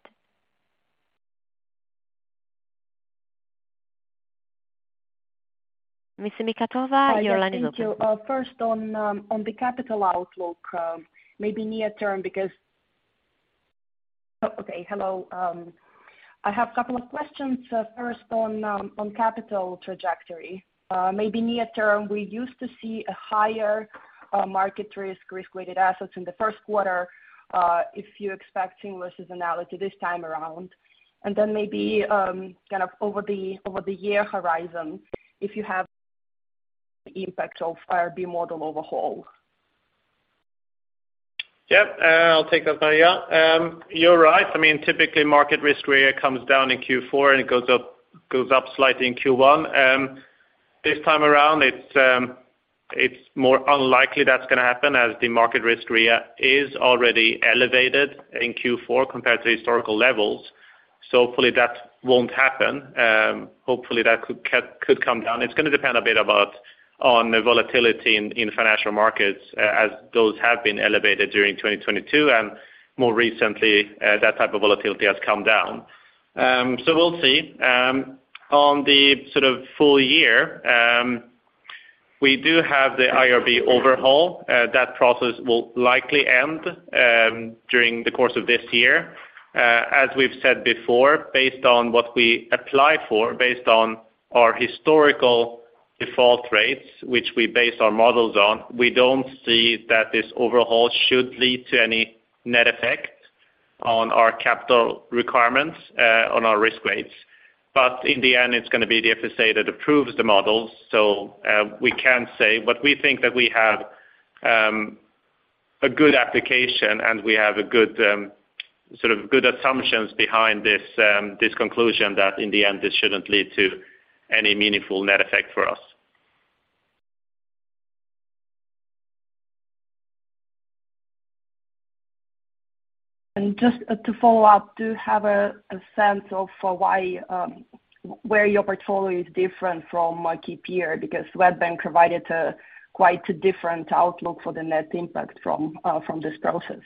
S1: Ms. Semikhatova, your line is open.
S7: Hi, yes. Thank you. First on on the capital outlook, maybe near term. Hello. I have two questions. First on on capital trajectory. Maybe near term, we used to see a higher market risk risk-weighted assets in the 1st quarter, if you expect similar analysis this time around. Maybe, kind of over the, over the year horizon, if you have the impact of IRB model overhaul.
S2: Yep. I'll take that, Maria. You're right. I mean, typically market risk REA comes down in Q4, it goes up slightly in Q1. This time around, it's more unlikely that's gonna happen as the market risk REA is already elevated in Q4 compared to historical levels. Hopefully that won't happen. Hopefully that could come down. It's gonna depend a bit about on the volatility in financial markets as those have been elevated during 2022, and more recently, that type of volatility has come down. We'll see. On the sort of full year, we do have the IRB overhaul. That process will likely end during the course of this year. As we've said before, based on what we apply for, based on our historical default rates, which we base our models on, we don't see that this overhaul should lead to any net effect on our capital requirements, on our risk rates. In the end, it's gonna be the Finansinspektionen that approves the models. We can say, but we think that we have a good application, and we have a good sort of good assumptions behind this conclusion that in the end, this shouldn't lead to any meaningful net effect for us.
S7: Just to follow up, do you have a sense of why, where your portfolio is different from a key peer? Swedbank provided a quite different outlook for the net impact from this process.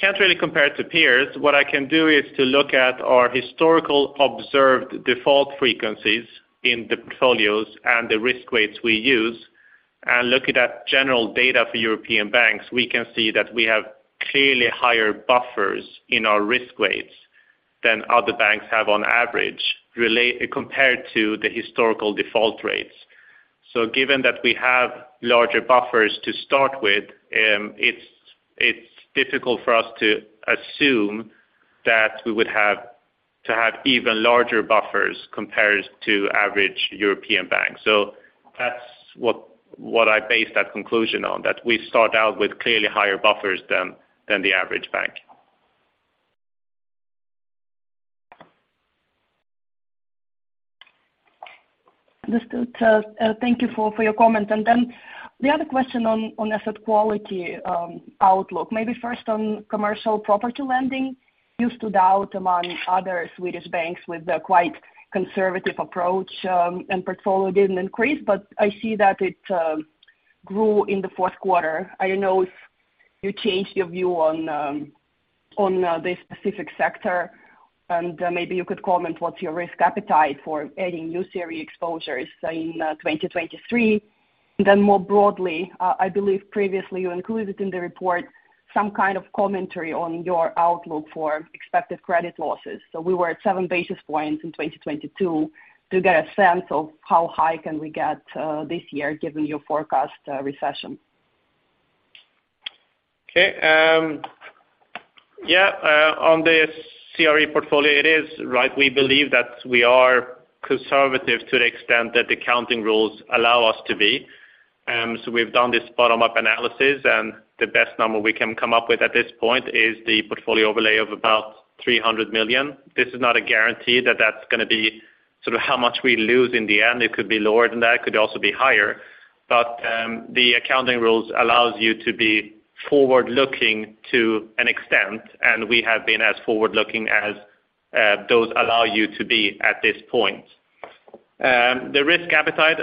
S2: Can't really compare it to peers. What I can do is to look at our historical observed default frequencies in the portfolios and the risk weights we use. Looking at general data for European banks, we can see that we have clearly higher buffers in our risk weights than other banks have on average compared to the historical default rates. Given that we have larger buffers to start with, it's difficult for us to assume that we would have to have even larger buffers compared to average European banks. That's what I base that conclusion on, that we start out with clearly higher buffers than the average bank.
S7: Understood. Thank you for your comment. The other question on asset quality outlook, maybe first on commercial property lending. You stood out among other Swedish banks with a quite conservative approach, and portfolio didn't increase, but I see that it grew in the fourth quarter. I don't know if you changed your view on this specific sector, and maybe you could comment what's your risk appetite for adding new CRE exposures in 2023? More broadly, I believe previously you included in the report some kind of commentary on your outlook for expected credit losses. We were at 7 basis points in 2022 to get a sense of how high can we get this year, given your forecast recession?
S3: Okay, on the CRE portfolio, it is right. We believe that we are conservative to the extent that the accounting rules allow us to be. We've done this bottom-up analysis, and the best number we can come up with at this point is the portfolio overlay of about 300 million. This is not a guarantee that that's gonna be sort of how much we lose in the end. It could be lower than that. It could also be higher. The accounting rules allows you to be forward-looking to an extent, and we have been as forward-looking as those allow you to be at this point. The risk appetite,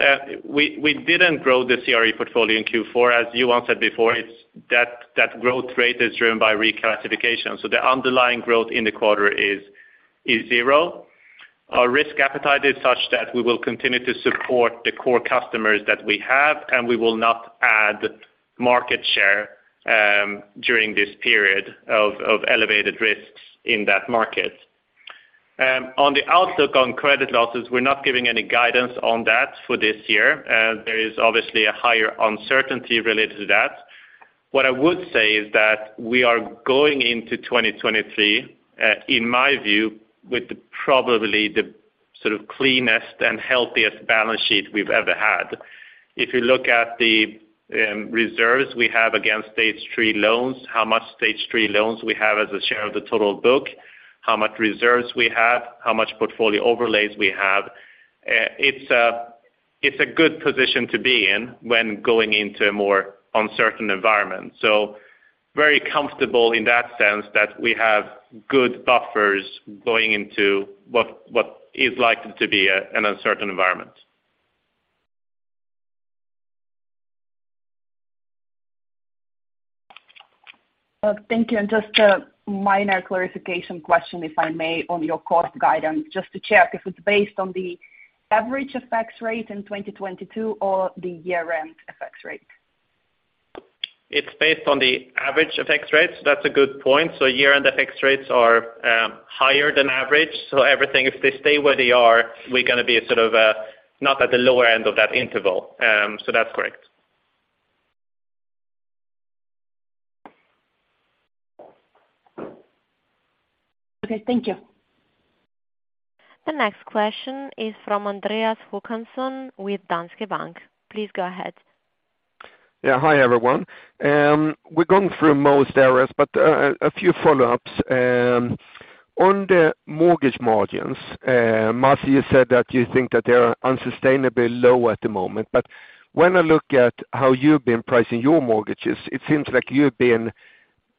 S3: we didn't grow the CRE portfolio in Q4. As Johan said before, it's that growth rate is driven by reclassification. The underlying growth in the quarter is zero. Our risk appetite is such that we will continue to support the core customers that we have, and we will not add market share during this period of elevated risks in that market. On the outlook on credit losses, we're not giving any guidance on that for this year. There is obviously a higher uncertainty related to that. What I would say is that we are going into 2023, in my view, with probably the sort of cleanest and healthiest balance sheet we've ever had. If you look at the reserves we have against Stage 3 loans, how much Stage 3 loans we have as a share of the total book, how much reserves we have, how much portfolio overlays we have, it's a good position to be in when going into a more uncertain environment. Very comfortable in that sense that we have good buffers going into what is likely to be an uncertain environment.
S7: Thank you. Just a minor clarification question, if I may, on your cost guidance, just to check if it's based on the average FX rate in 2022 or the year-end FX rate.
S3: It's based on the average FX rates. That's a good point. Year-end FX rates are higher than average. Everything, if they stay where they are, we're gonna be sort of, not at the lower end of that interval. That's correct.
S7: Okay, thank you.
S1: The next question is from Andreas Håkansson with Danske Bank. Please go ahead.
S8: Yeah. Hi, everyone. We're going through most areas, but a few follow-ups. On the mortgage margins, Masih, you said that you think that they are unsustainably low at the moment. When I look at how you've been pricing your mortgages, it seems like you've been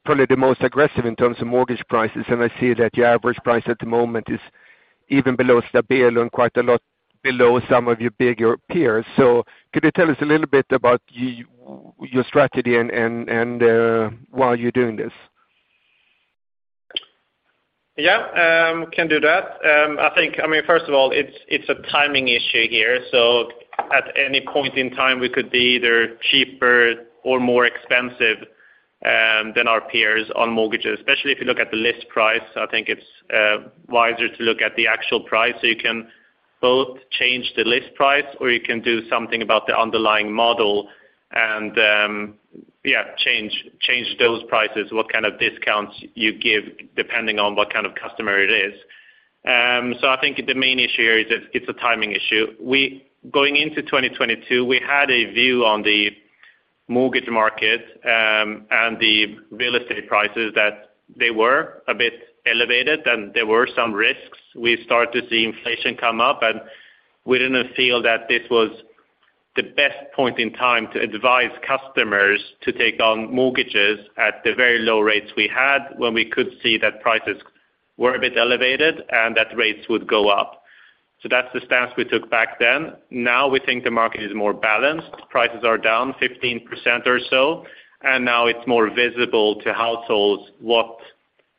S8: probably the most aggressive in terms of mortgage prices, and I see that your average price at the moment is even below stable and quite a lot below some of your bigger peers. Could you tell us a little bit about your strategy and why you're doing this?
S3: Yeah, can do that. I think, I mean, first of all, it's a timing issue here. At any point in time, we could be either cheaper or more expensive than our peers on mortgages, especially if you look at the list price. I think it's wiser to look at the actual price, so you can both change the list price or you can do something about the underlying model and, yeah, change those prices, what kind of discounts you give depending on what kind of customer it is. I think the main issue here is it's a timing issue. Going into 2022, we had a view on the mortgage market and the real estate prices that they were a bit elevated, and there were some risks. We started to see inflation come up, and we didn't feel that this was the best point in time to advise customers to take on mortgages at the very low rates we had when we could see that prices were a bit elevated and that rates would go up. That's the stance we took back then. Now we think the market is more balanced. Prices are down 15% or so, and now it's more visible to households what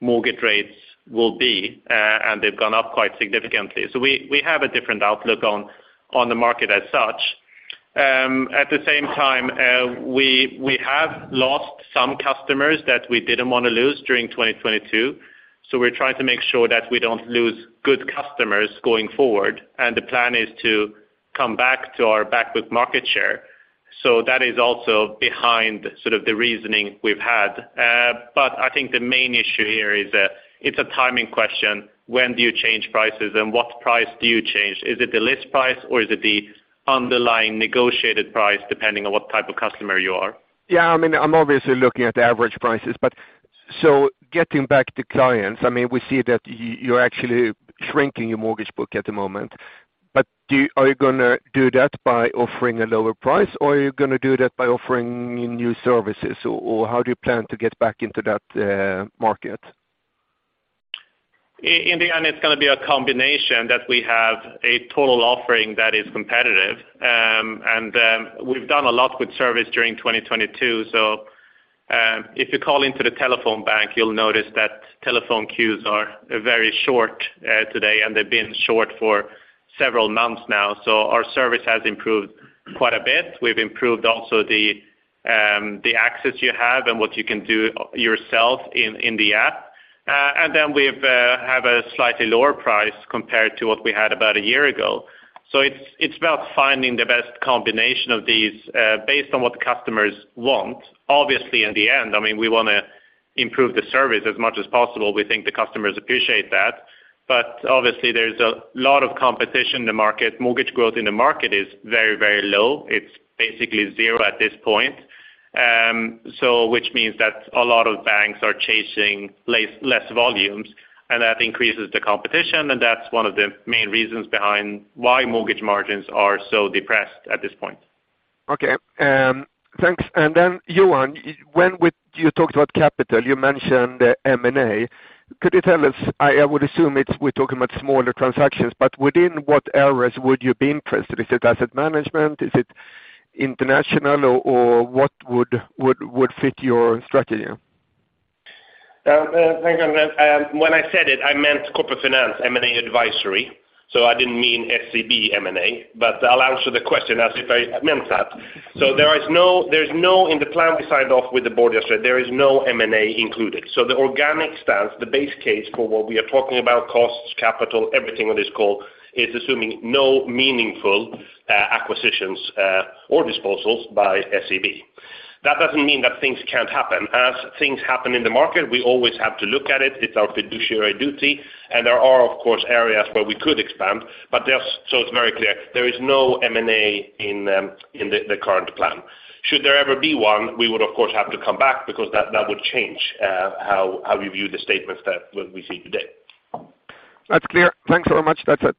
S3: mortgage rates will be, and they've gone up quite significantly. We have a different outlook on the market as such. At the same time, we have lost some customers that we didn't wanna lose during 2022. We're trying to make sure that we don't lose good customers going forward, and the plan is to come back to our back book market share. That is also behind sort of the reasoning we've had. I think the main issue here is that it's a timing question. When do you change prices, and what price do you change? Is it the list price, or is it the underlying negotiated price, depending on what type of customer you are?
S8: Yeah. I mean, I'm obviously looking at the average prices. Getting back to clients, I mean, we see that you're actually shrinking your mortgage book at the moment. Are you gonna do that by offering a lower price, or are you gonna do that by offering new services, or how do you plan to get back into that market?
S3: In the end, it's gonna be a combination that we have a total offering that is competitive. We've done a lot with service during 2022. If you call into the telephone bank, you'll notice that telephone queues are very short today, and they've been short for several months now. Our service has improved quite a bit. We've improved also the access you have and what you can do yourself in the app. We've have a slightly lower price compared to what we had about a year ago. It's about finding the best combination of these, based on what the customers want. Obviously, in the end, I mean, we wanna improve the service as much as possible. We think the customers appreciate that. Obviously there's a lot of competition in the market. Mortgage growth in the market is very, very low. It's basically zero at this point. Which means that a lot of banks are chasing less volumes, and that increases the competition, and that's one of the main reasons behind why mortgage margins are so depressed at this point.
S8: Okay. Thanks. Johan, when you talked about capital, you mentioned M&A. Could you tell us, I would assume it's we're talking about smaller transactions, but within what areas would you be interested? Is it asset management? Is it international or what would fit your strategy?
S2: Thanks, Andreas. When I said it, I meant corporate finance, M&A advisory, I didn't mean SEB M&A, but I'll answer the question as if I meant that. In the plan we signed off with the board yesterday, there is no M&A included. The organic stance, the base case for what we are talking about costs, capital, everything on this call is assuming no meaningful acquisitions or disposals by SEB. That doesn't mean that things can't happen. As things happen in the market, we always have to look at it. It's our fiduciary duty, and there are, of course, areas where we could expand. Just so it's very clear, there is no M&A in the current plan. Should there ever be one, we would of course have to come back because that would change, how we view the statements that we see today.
S8: That's clear. Thanks so much. That's it.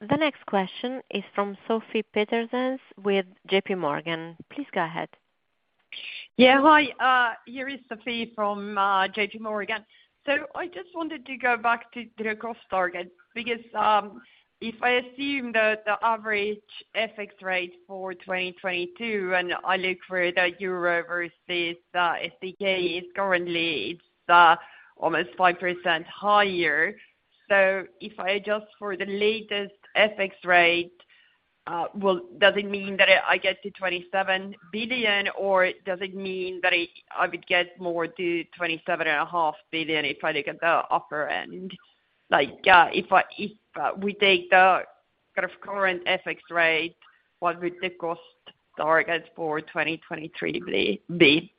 S1: The next question is from Sofie Peterzens with JPMorgan. Please go ahead.
S9: Yeah. Hi, here is Sofie from J.P. Morgan. I just wanted to go back to the cost target because if I assume that the average FX rate for 2022, and I look where the EUR versus SEK is currently, it's almost 5% higher. If I adjust for the latest FX rate, well, does it mean that I get to 27 billion, or does it mean that I would get more to 27 and a half billion if I look at the upper end? Like, if we take the kind of current FX rate, what would the cost target for 2023 be?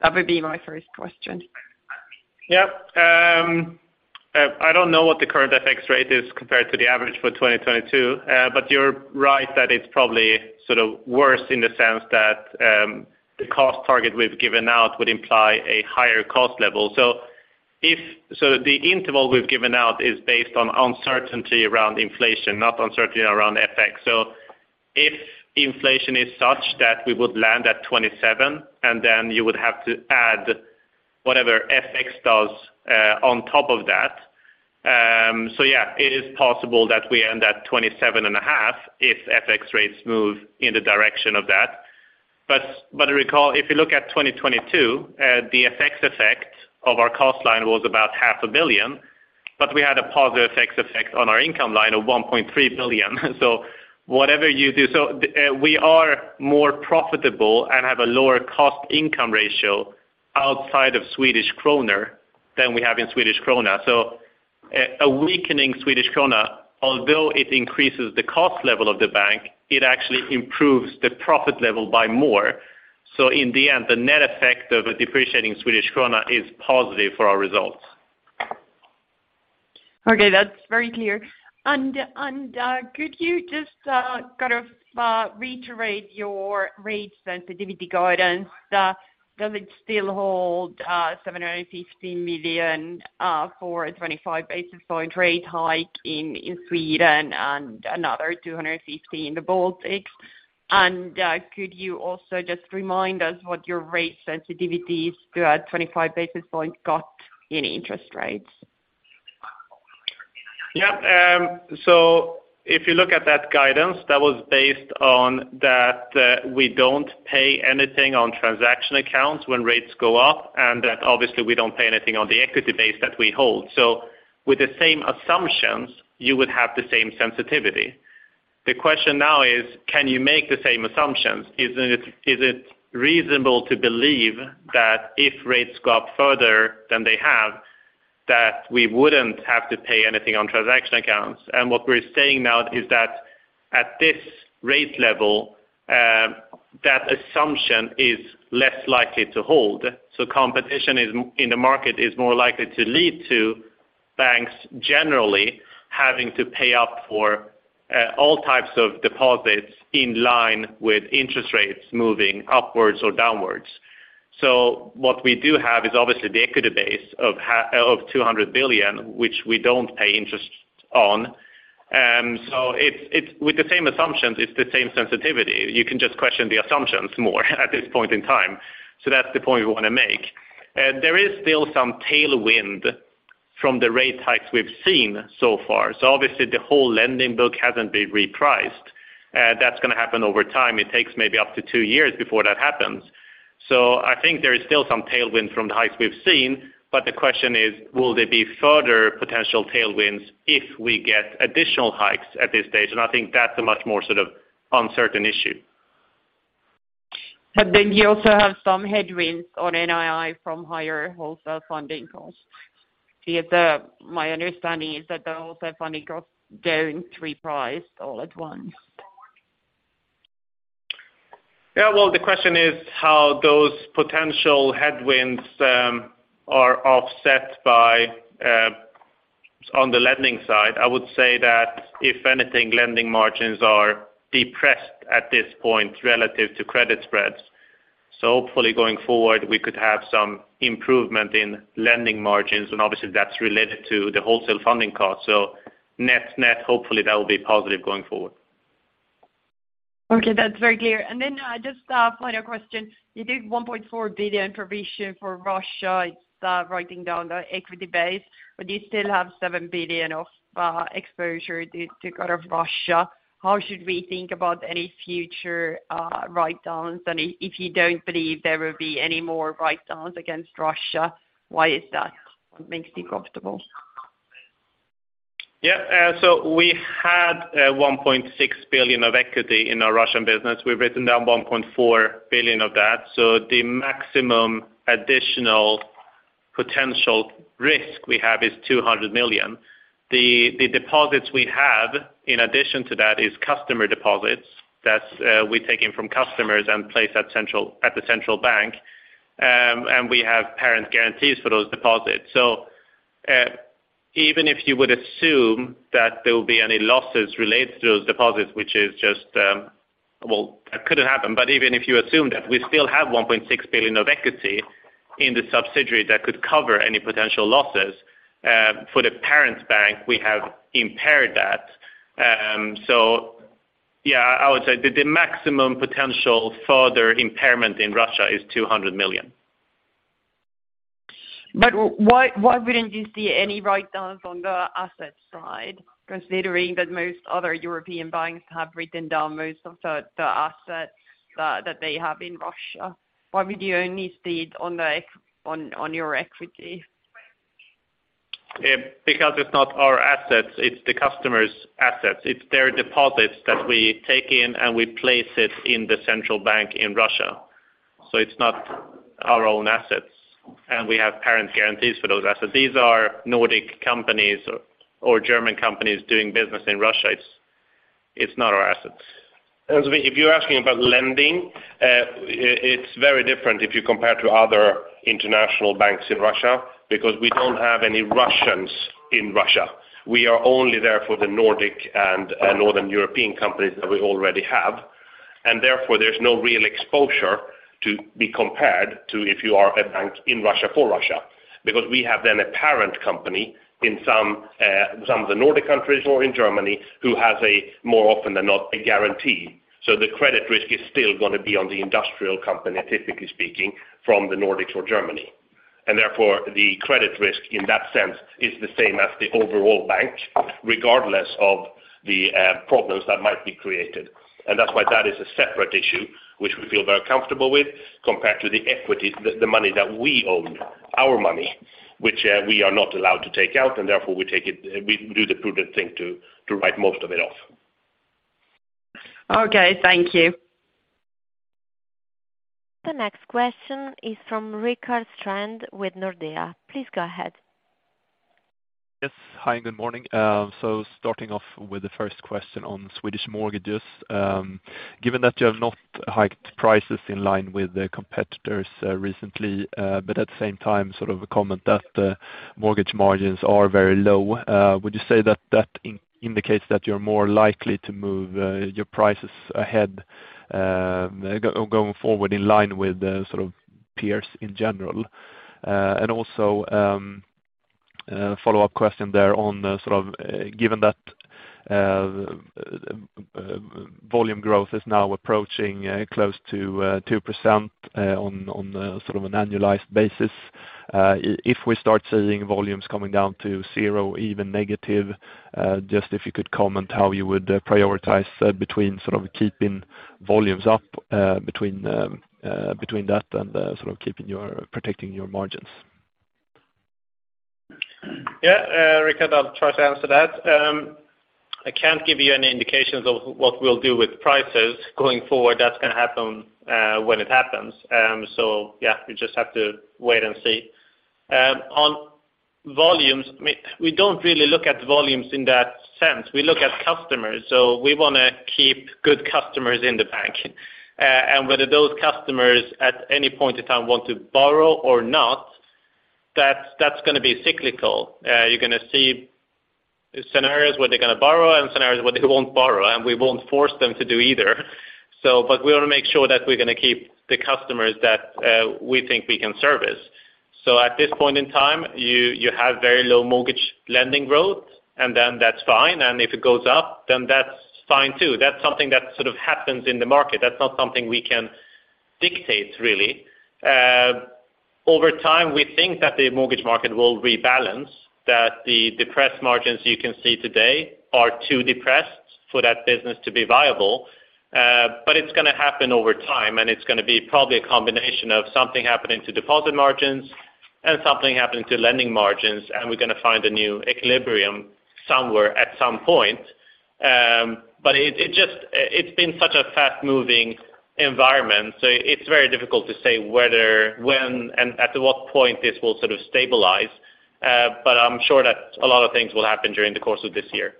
S9: That would be my first question.
S3: Yeah. I don't know what the current FX rate is compared to the average for 2022. You're right that it's probably sort of worse in the sense that, the cost target we've given out would imply a higher cost level. The interval we've given out is based on uncertainty around inflation, not uncertainty around FX. If inflation is such that we would land at 27, and then you would have to add whatever FX does, on top of that. Yeah, it is possible that we end at 27.5 if FX rates move in the direction of that. Recall, if you look at 2022, the FX effect of our cost line was about SEK half a billion, but we had a positive FX effect on our income line of 1.3 billion. Whatever you do... We are more profitable and have a lower cost-income ratio outside of Swedish krona than we have in Swedish krona. A weakening Swedish krona, although it increases the cost level of the bank, it actually improves the profit level by more. In the end, the net effect of a depreciating Swedish krona is positive for our results.
S9: Okay. That's very clear. Could you just kind of reiterate your rate sensitivity guidance? Does it still hold 715 million for a 25 basis point rate hike in Sweden and another 250 in the Baltics? Could you also just remind us what your rate sensitivity is to a 25 basis point cut in interest rates?
S3: If you look at that guidance, that was based on that, we don't pay anything on transaction accounts when rates go up, and that obviously we don't pay anything on the equity base that we hold. With the same assumptions, you would have the same sensitivity. The question now is, can you make the same assumptions? Is it reasonable to believe that if rates go up further than they have, that we wouldn't have to pay anything on transaction accounts? What we're saying now is that at this rate level, that assumption is less likely to hold. Competition in the market is more likely to lead to banks generally having to pay up for all types of deposits in line with interest rates moving upwards or downwards. What we do have is obviously the equity base of 200 billion, which we don't pay interest on. It's with the same assumptions, it's the same sensitivity. You can just question the assumptions more at this point in time. That's the point we wanna make. There is still some tailwind from the rate hikes we've seen so far. Obviously the whole lending book hasn't been repriced. That's gonna happen over time. It takes maybe up to two years before that happens. I think there is still some tailwind from the hikes we've seen, but the question is, will there be further potential tailwinds if we get additional hikes at this stage? I think that's a much more sort of uncertain issue.
S9: You also have some headwinds on NII from higher wholesale funding costs. Is, my understanding is that the wholesale funding costs don't reprice all at once.
S3: Yeah. Well, the question is how those potential headwinds are offset by on the lending side. I would say that if anything, lending margins are depressed at this point relative to credit spreads. Hopefully going forward we could have some improvement in lending margins, and obviously that's related to the wholesale funding cost. Net-net, hopefully that will be positive going forward.
S9: Okay, that's very clear. Just a final question. You did 1.4 billion provision for Russia. It's writing down the equity base. You still have 7 billion of exposure to kind of Russia. How should we think about any future write-downs? If you don't believe there will be any more write-downs against Russia, why is that? What makes you comfortable?
S3: Yeah. We had 1.6 billion of equity in our Russian business. We've written down 1.4 billion of that. The maximum additional potential risk we have is 200 million. The deposits we have in addition to that is customer deposits. That's we take in from customers and place at the Central Bank. We have parent guarantees for those deposits. Even if you would assume that there will be any losses related to those deposits, which is just. Well, that couldn't happen. Even if you assume that, we still have 1.6 billion of equity in the subsidiary that could cover any potential losses. For the parent bank, we have impaired that. Yeah, I would say the maximum potential further impairment in Russia is 200 million.
S9: Why wouldn't you see any write-downs on the asset side, considering that most other European banks have written down most of the assets that they have in Russia? Why would you only see it on your equity?
S3: It's not our assets, it's the customer's assets. It's their deposits that we take in, and we place it in the central bank in Russia. It's not our own assets. We have parent guarantees for those assets. These are Nordic companies or German companies doing business in Russia. It's not our assets.
S2: If you're asking about lending, it's very different if you compare to other international banks in Russia because we don't have any Russians in Russia. We are only there for the Nordic and Northern European companies that we already have. Therefore, there's no real exposure to be compared to if you are a bank in Russia for Russia, because we have then a parent company in some of the Nordic countries or in Germany who has a more often than not a guarantee. The credit risk is still gonna be on the industrial company, typically speaking, from the Nordics or Germany. Therefore the credit risk in that sense is the same as the overall bank, regardless of the problems that might be created. That's why that is a separate issue, which we feel very comfortable with compared to the equity, the money that we own, our money, which we are not allowed to take out, and therefore we do the prudent thing to write most of it off.
S9: Okay, thank you.
S1: The next question is from Rickard Strand with Nordea. Please go ahead.
S10: Yes. Hi, and good morning. Starting off with the first question on Swedish mortgages. Given that you have not hiked prices in line with the competitors recently, but at the same time sort of a comment that the mortgage margins are very low, would you say that that indicates that you're more likely to move your prices ahead, go forward in line with the sort of peers in general? Also, follow-up question there on the sort of, given that, volume growth is now approaching, close to, 2%, on the sort of an annualized basis, if we start seeing volumes coming down to zero, even negative, just if you could comment how you would prioritize, between sort of keeping volumes up, between that and, sort of keeping your, protecting your margins?
S3: Yeah, Rickard, I'll try to answer that. I can't give you any indications of what we'll do with prices going forward. That's gonna happen when it happens. Yeah, you just have to wait and see. On volumes, I mean, we don't really look at volumes in that sense. We look at customers. We wanna keep good customers in the bank. Whether those customers at any point in time want to borrow or not, that's gonna be cyclical. You're gonna see scenarios where they're gonna borrow and scenarios where they won't borrow, and we won't force them to do either. We want to make sure that we're going to keep the customers that we think we can service. At this point in time, you have very low mortgage lending growth, and then that's fine. If it goes up, then that's fine too. That's something that sort of happens in the market. That's not something we can dictate really. Over time, we think that the mortgage market will rebalance, that the depressed margins you can see today are too depressed for that business to be viable. It's going to happen over time, and it's going to be probably a combination of something happening to deposit margins and something happening to lending margins, and we're going to find a new equilibrium somewhere at some point. It's been such a fast-moving environment, so it's very difficult to say whether when and at what point this will sort of stabilize. I'm sure that a lot of things will happen during the course of this year.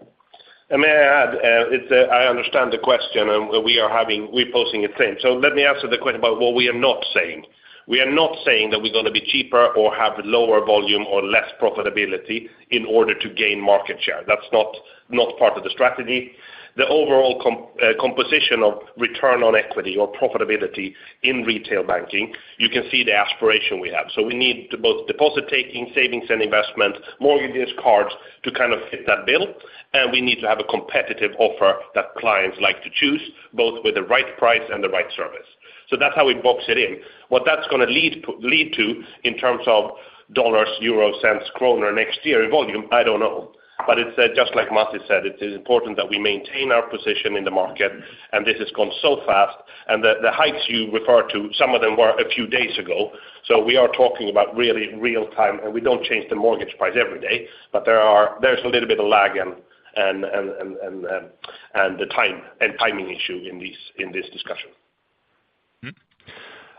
S2: May I add, it's, I understand the question, and we're posing it same. Let me answer the question about what we are not saying. We are not saying that we're gonna be cheaper or have lower volume or less profitability in order to gain market share. That's not part of the strategy. The overall composition of return on equity or profitability in retail banking, you can see the aspiration we have. We need both deposit taking, savings and investment, mortgages, cards to kind of fit that bill. We need to have a competitive offer that clients like to choose, both with the right price and the right service. That's how we box it in. What that's gonna lead to in terms of dollars, euro cents, kroner next year in volume, I don't know. It's, just like Masih said, it is important that we maintain our position in the market, and this has gone so fast. The, the hikes you refer to, some of them were a few days ago. We are talking about really real-time, and we don't change the mortgage price every day. There's a little bit of lag and the time and timing issue in this, in this discussion.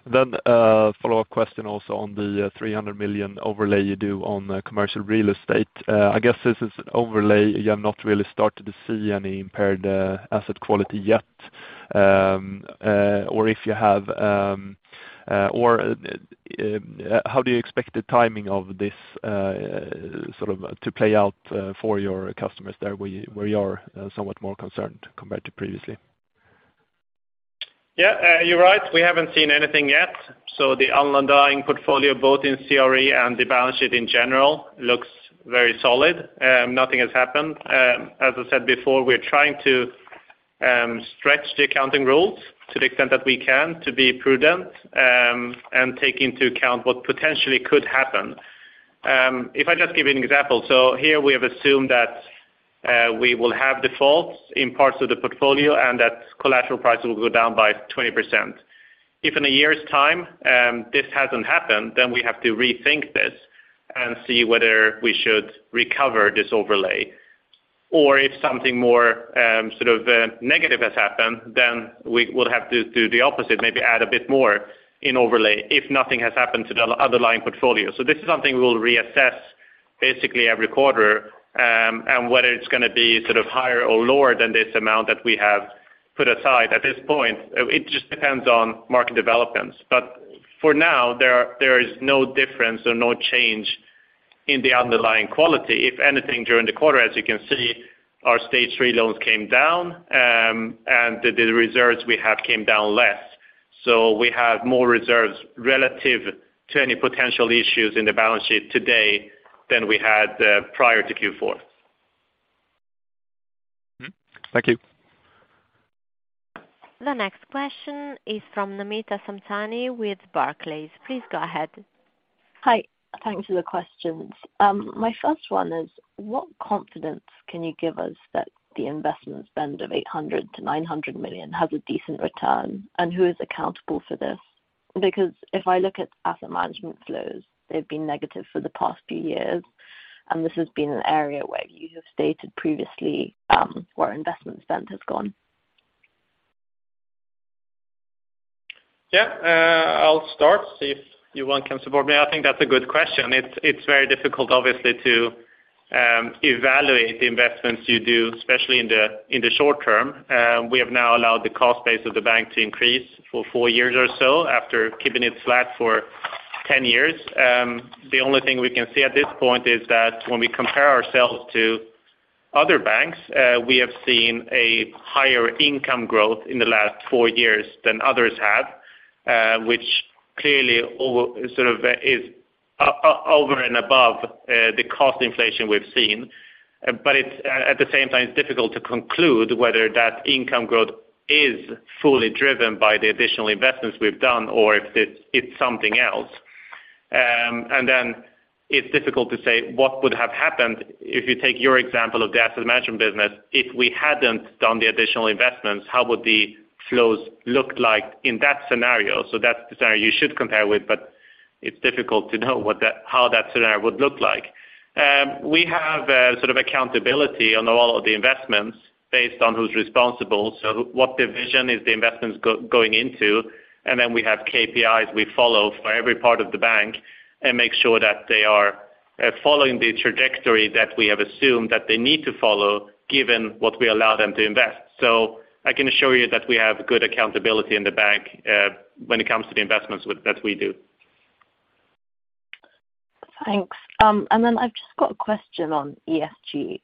S10: A follow-up question also on the 300 million overlay you do on commercial real estate. I guess this is an overlay you have not really started to see any impaired asset quality yet. Or if you have, or how do you expect the timing of this sort of to play out for your customers there where you, where you are somewhat more concerned compared to previously?
S3: You're right. We haven't seen anything yet. The underlying portfolio, both in CRE and the balance sheet in general, looks very solid. Nothing has happened. As I said before, we're trying to stretch the accounting rules to the extent that we can to be prudent, and take into account what potentially could happen. If I just give you an example. Here we have assumed that we will have defaults in parts of the portfolio and that collateral prices will go down by 20%. If in a year's time, this hasn't happened, then we have to rethink this and see whether we should recover this overlay. If something more, sort of negative has happened, then we will have to do the opposite, maybe add a bit more in overlay if nothing has happened to the underlying portfolio. This is something we'll reassess basically every quarter, and whether it's gonna be sort of higher or lower than this amount that we have put aside at this point. It just depends on market developments. For now, there is no difference or no change in the underlying quality. If anything, during the quarter, as you can see, our Stage 3 loans came down, and the reserves we have came down less. We have more reserves relative to any potential issues in the balance sheet today than we had prior to Q4.
S10: Mm-hmm. Thank you.
S1: The next question is from Namita Samtani with Barclays. Please go ahead.
S11: Hi. Thanks for the questions. My first one is, what confidence can you give us that the investment spend of 800 million-900 million has a decent return, and who is accountable for this? If I look at asset management flows, they've been negative for the past few years, and this has been an area where you have stated previously, where investment spend has gone.
S3: Yeah. I'll start, see if Johan can support me. I think that's a good question. It's very difficult, obviously, to evaluate the investments you do, especially in the short term. We have now allowed the cost base of the bank to increase for four years or so after keeping it flat for 10 years. The only thing we can see at this point is that when we compare ourselves to other banks, we have seen a higher income growth in the last four years than others have, which clearly sort of is over and above the cost inflation we've seen. It's at the same time, it's difficult to conclude whether that income growth is fully driven by the additional investments we've done or if it's something else. It's difficult to say what would have happened if you take your example of the asset management business. If we hadn't done the additional investments, how would the flows look like in that scenario? That's the scenario you should compare with, but it's difficult to know how that scenario would look like. We have sort of accountability on all of the investments based on who's responsible. What division is the investments going into, we have KPIs we follow for every part of the bank and make sure that they are following the trajectory that we have assumed that they need to follow given what we allow them to invest. I can assure you that we have good accountability in the bank when it comes to the investments that we do.
S11: Thanks. I've just got a question on ESG,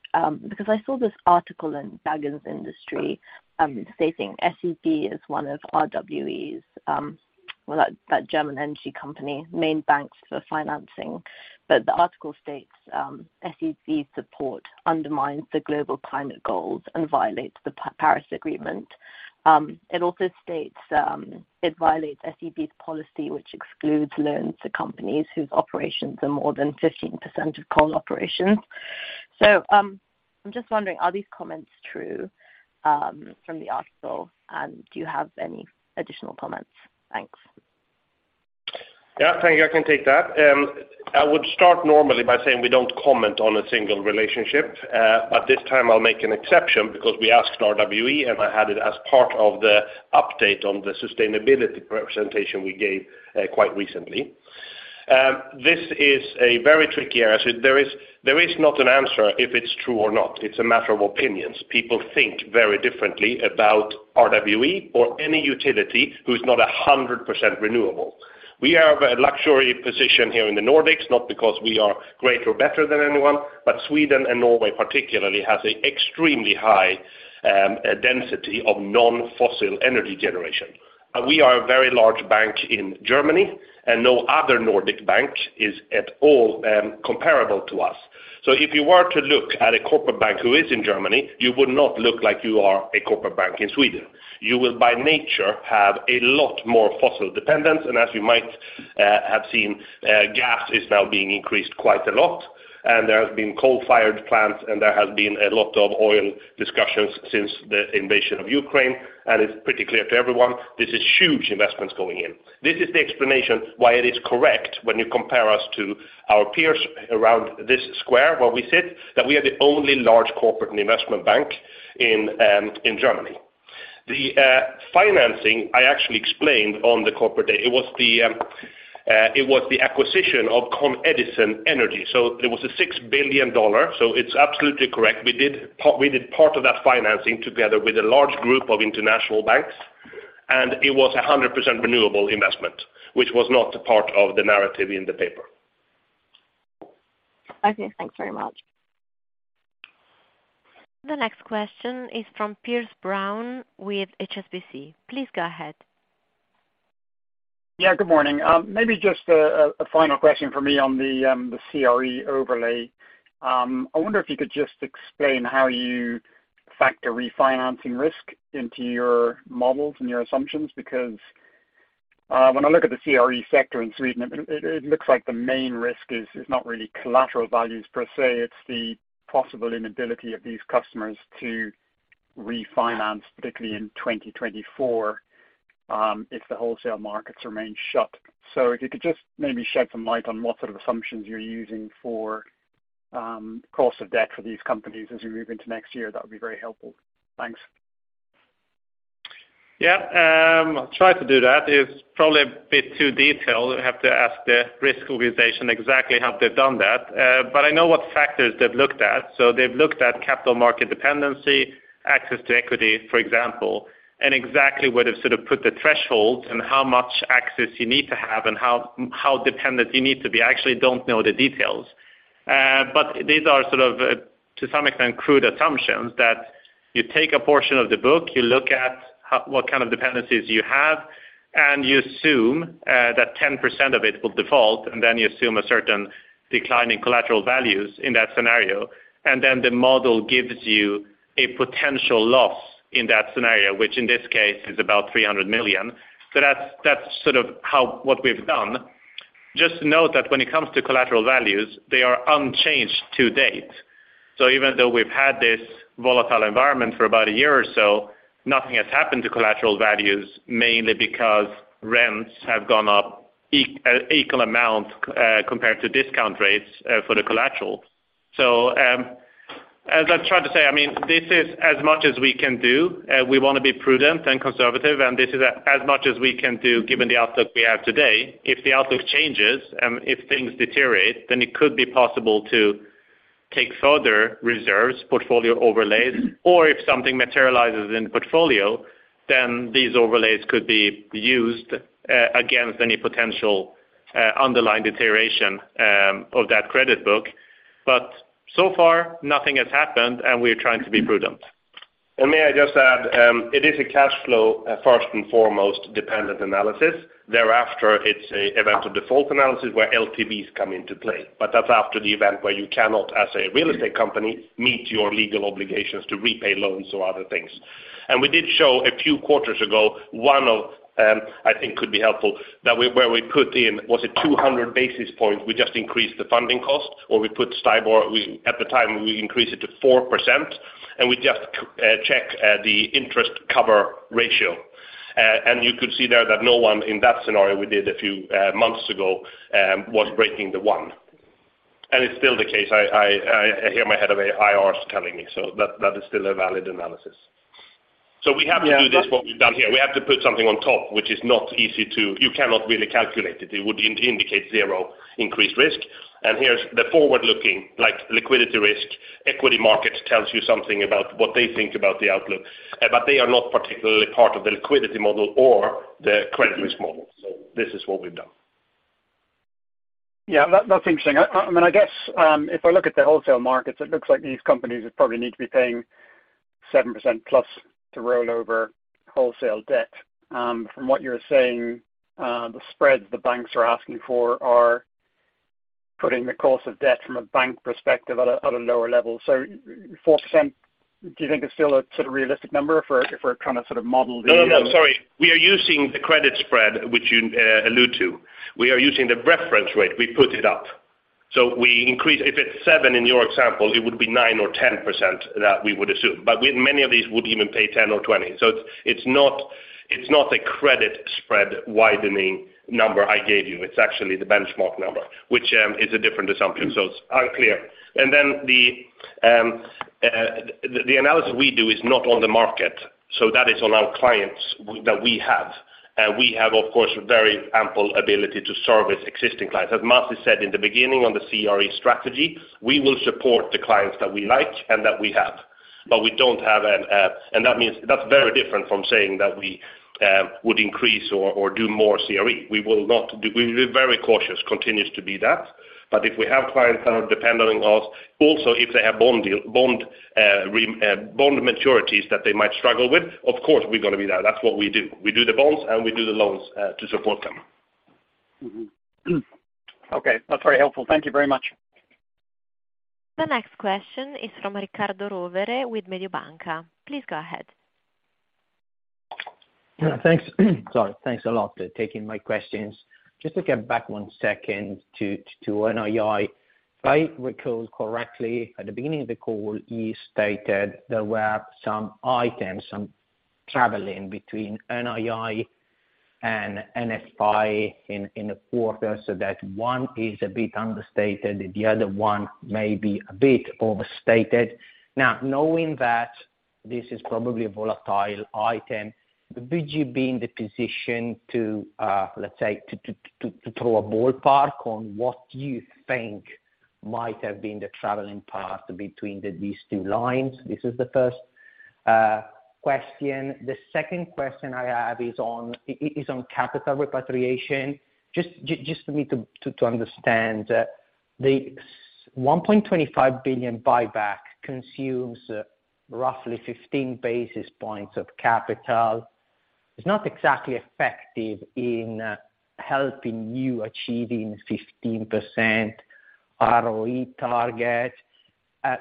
S11: because I saw this article in Business Arena, stating SEB is one of RWE's, that German energy company, main banks for financing. The article states, SEB's support undermines the global climate goals and violates the Paris Agreement. It also states, it violates SEB's policy, which excludes loans to companies whose operations are more than 15% of coal operations. I'm just wondering, are these comments true, from the article, and do you have any additional comments? Thanks.
S2: Yeah. Thank you. I can take that. I would start normally by saying we don't comment on a single relationship, this time I'll make an exception because we asked RWE, and I had it as part of the update on the sustainability presentation we gave quite recently. This is a very tricky area. There is not an answer if it's true or not. It's a matter of opinions. People think very differently about RWE or any utility who's not 100% renewable. We have a luxury position here in the Nordics, not because we are greater or better than anyone, but Sweden and Norway particularly have an extremely high density of non-fossil energy generation. We are a very large bank in Germany, no other Nordic bank is at all comparable to us. If you were to look at a corporate bank who is in Germany, you would not look like you are a corporate bank in Sweden. You will by nature have a lot more fossil dependence. As you might have seen, gas is now being increased quite a lot, and there has been coal-fired plants, and there has been a lot of oil discussions since the invasion of Ukraine. It's pretty clear to everyone this is huge investments going in. This is the explanation why it is correct when you compare us to our peers around this square where we sit, that we are the only large corporate investment bank in Germany. The financing I actually explained on the Corporate Day. It was the acquisition of Con Edison Energy, so it was a $6 billion. It's absolutely correct. We did part of that financing together with a large group of international banks. It was a 100% renewable investment, which was not a part of the narrative in the paper.
S11: Okay, thanks very much.
S1: The next question is from Piers Brown with HSBC. Please go ahead.
S12: Yeah, good morning. Maybe just a final question from me on the CRE overlay. I wonder if you could just explain how you factor refinancing risk into your models and your assumptions. When I look at the CRE sector in Sweden, it looks like the main risk is not really collateral values per se. It's the possible inability of these customers to refinance, particularly in 2024, if the wholesale markets remain shut. If you could just maybe shed some light on what sort of assumptions you're using for cost of debt for these companies as we move into next year, that would be very helpful. Thanks.
S3: Yeah. I'll try to do that. It's probably a bit too detailed. I have to ask the risk organization exactly how they've done that. I know what factors they've looked at. So they've looked at capital market dependency, access to equity, for example, and exactly where they've sort of put the thresholds and how much access you need to have and how dependent you need to be. I actually don't know the details. These are sort of, to some extent, crude assumptions that you take a portion of the book, you look at what kind of dependencies you have, and you assume that 10% of it will default, and then you assume a certain decline in collateral values in that scenario. The model gives you a potential loss in that scenario, which in this case is about 300 million. That's sort of how what we've done. Just note that when it comes to collateral values, they are unchanged to date. Even though we've had this volatile environment for about a year or so, nothing has happened to collateral values, mainly because rents have gone up equal amount compared to discount rates for the collateral. As I've tried to say, I mean, this is as much as we can do. We wanna be prudent and conservative, and this is as much as we can do, given the outlook we have today. If the outlook changes, if things deteriorate, then it could be possible to take further reserves, portfolio overlays, or if something materializes in the portfolio, then these overlays could be used against any potential underlying deterioration of that credit book. So far nothing has happened, and we're trying to be prudent.
S2: May I just add, it is a cashflow first and foremost dependent analysis. Thereafter, it's an event of default analysis where LTVs come into play, but that's after the event where you cannot, as a real estate company, meet your legal obligations to repay loans or other things. We did show a few quarters ago, one of, I think could be helpful that we where we put in, was it 200 basis points? We just increased the funding cost, or we put STIBOR. At the time, we increased it to 4%, and we just check the interest coverage ratio. You could see there that no one in that scenario we did a few months ago was breaking the 1. It's still the case. I hear my head of AI's telling me so that is still a valid analysis. We have to do this, what we've done here. We have to put something on top, which is not easy to. You cannot really calculate it. It would indicate zero increased risk. Here's the forward-looking like liquidity risk. Equity market tells you something about what they think about the outlook, but they are not particularly part of the liquidity model or the credit risk model. This is what we've done.
S12: That, that's interesting. I mean, I guess, if I look at the wholesale markets, it looks like these companies would probably need to be paying 7% plus to roll over wholesale debt. From what you're saying, the spreads the banks are asking for are putting the cost of debt from a bank perspective at a lower level. 4%, do you think is still a kind of sort of realistic number for kind of sort of model?
S2: No, no, sorry. We are using the credit spread, which you allude to. We are using the reference rate. We put it up. We increase. If it's seven in your example, it would be 9% or 10% that we would assume. Many of these would even pay 10 or 20. It's not a credit spread widening number I gave you. It's actually the benchmark number, which is a different assumption. It's unclear. Then the analysis we do is not on the market, that is on our clients that we have. We have, of course, very ample ability to service existing clients. As Masih has said in the beginning on the CRE strategy, we will support the clients that we like and that we have. We don't have an... That means. That's very different from saying that we would increase or do more CRE. We will be very cautious, continues to be that. If we have clients that are dependent on us, also, if they have bond maturities that they might struggle with, of course, we're gonna be there. That's what we do. We do the bonds, and we do the loans to support them.
S12: Mm-hmm. Okay. That's very helpful. Thank you very much.
S1: The next question is from Riccardo Rovere with Mediobanca. Please go ahead.
S13: Thanks. Sorry. Thanks a lot taking my questions. Just to get back one second to NII. If I recall correctly, at the beginning of the call, you stated there were some items, some traveling between NII and NFI in the quarter, so that one is a bit understated, the other one may be a bit overstated. Knowing that this is probably a volatile item, would you be in the position to, let's say, to throw a ballpark on what you think might have been the traveling path between these two lines? This is the first question. The second question I have is on capital repatriation. Just for me to understand, the 1.25 billion buyback consumes roughly 15 basis points of capital. It's not exactly effective in helping you achieving 15% ROE target.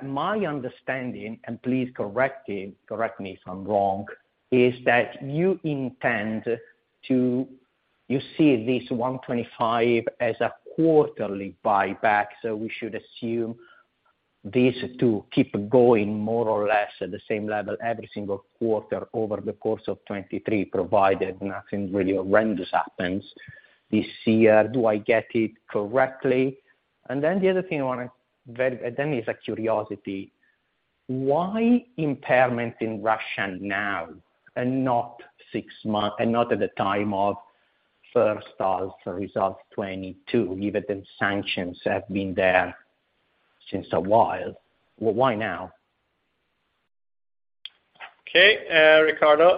S13: My understanding, and please correct me if I'm wrong, is that you see this 125 as a quarterly buyback, so we should assume this to keep going more or less at the same level every single quarter over the course of 2023, provided nothing really horrendous happens this year. Do I get it correctly? The other thing then is a curiosity. Why impairment in Russia now and not at the time of first half results 2022, even if the sanctions have been there since a while? Why now?
S3: Okay. Riccardo,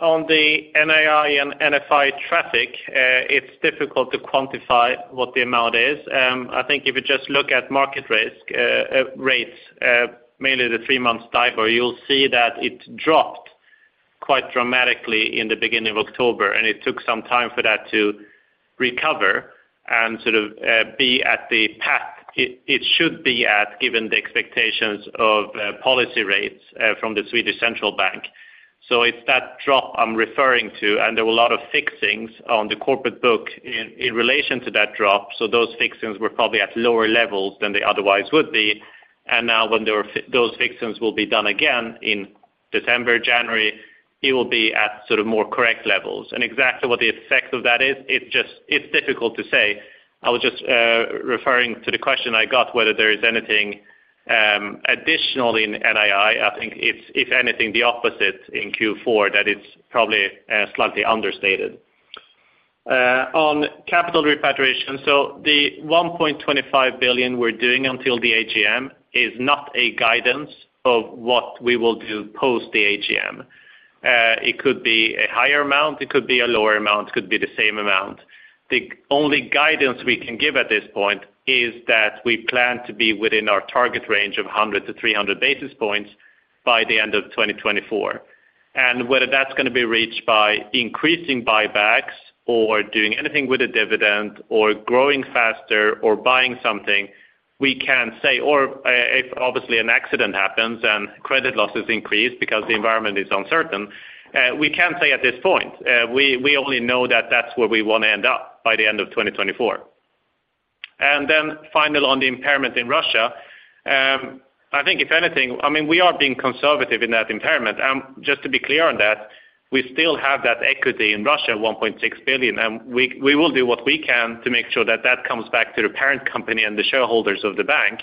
S3: on the NII and NFI traffic, it's difficult to quantify what the amount is. I think if you just look at market risk rates, mainly the three-month STIBOR, you'll see that it dropped quite dramatically in the beginning of October. It took some time for that to recover and sort of be at the path it should be at given the expectations of policy rates from the Swedish Central Bank. It's that drop I'm referring to, and there were a lot of fixings on the corporate book in relation to that drop, so those fixings were probably at lower levels than they otherwise would be. Now when there are those fixings will be done again in December, January, it will be at sort of more correct levels. Exactly what the effect of that is, it's difficult to say. I was just referring to the question I got, whether there is anything additional in NII. I think if anything, the opposite in Q4, that it's probably slightly understated. On capital repatriation, the 1.25 billion we're doing until the AGM is not a guidance of what we will do post the AGM. It could be a higher amount, it could be a lower amount, could be the same amount. The only guidance we can give at this point is that we plan to be within our target range of 100-300 basis points by the end of 2024. Whether that's gonna be reached by increasing buybacks or doing anything with the dividend or growing faster or buying something, we can't say. If obviously an accident happens and credit losses increase because the environment is uncertain, we can't say at this point. We only know that that's where we wanna end up by the end of 2024. Finally on the impairment in Russia, I think if anything, I mean, we are being conservative in that impairment. Just to be clear on that, we still have that equity in Russia, 1.6 billion, and we will do what we can to make sure that that comes back to the parent company and the shareholders of the bank.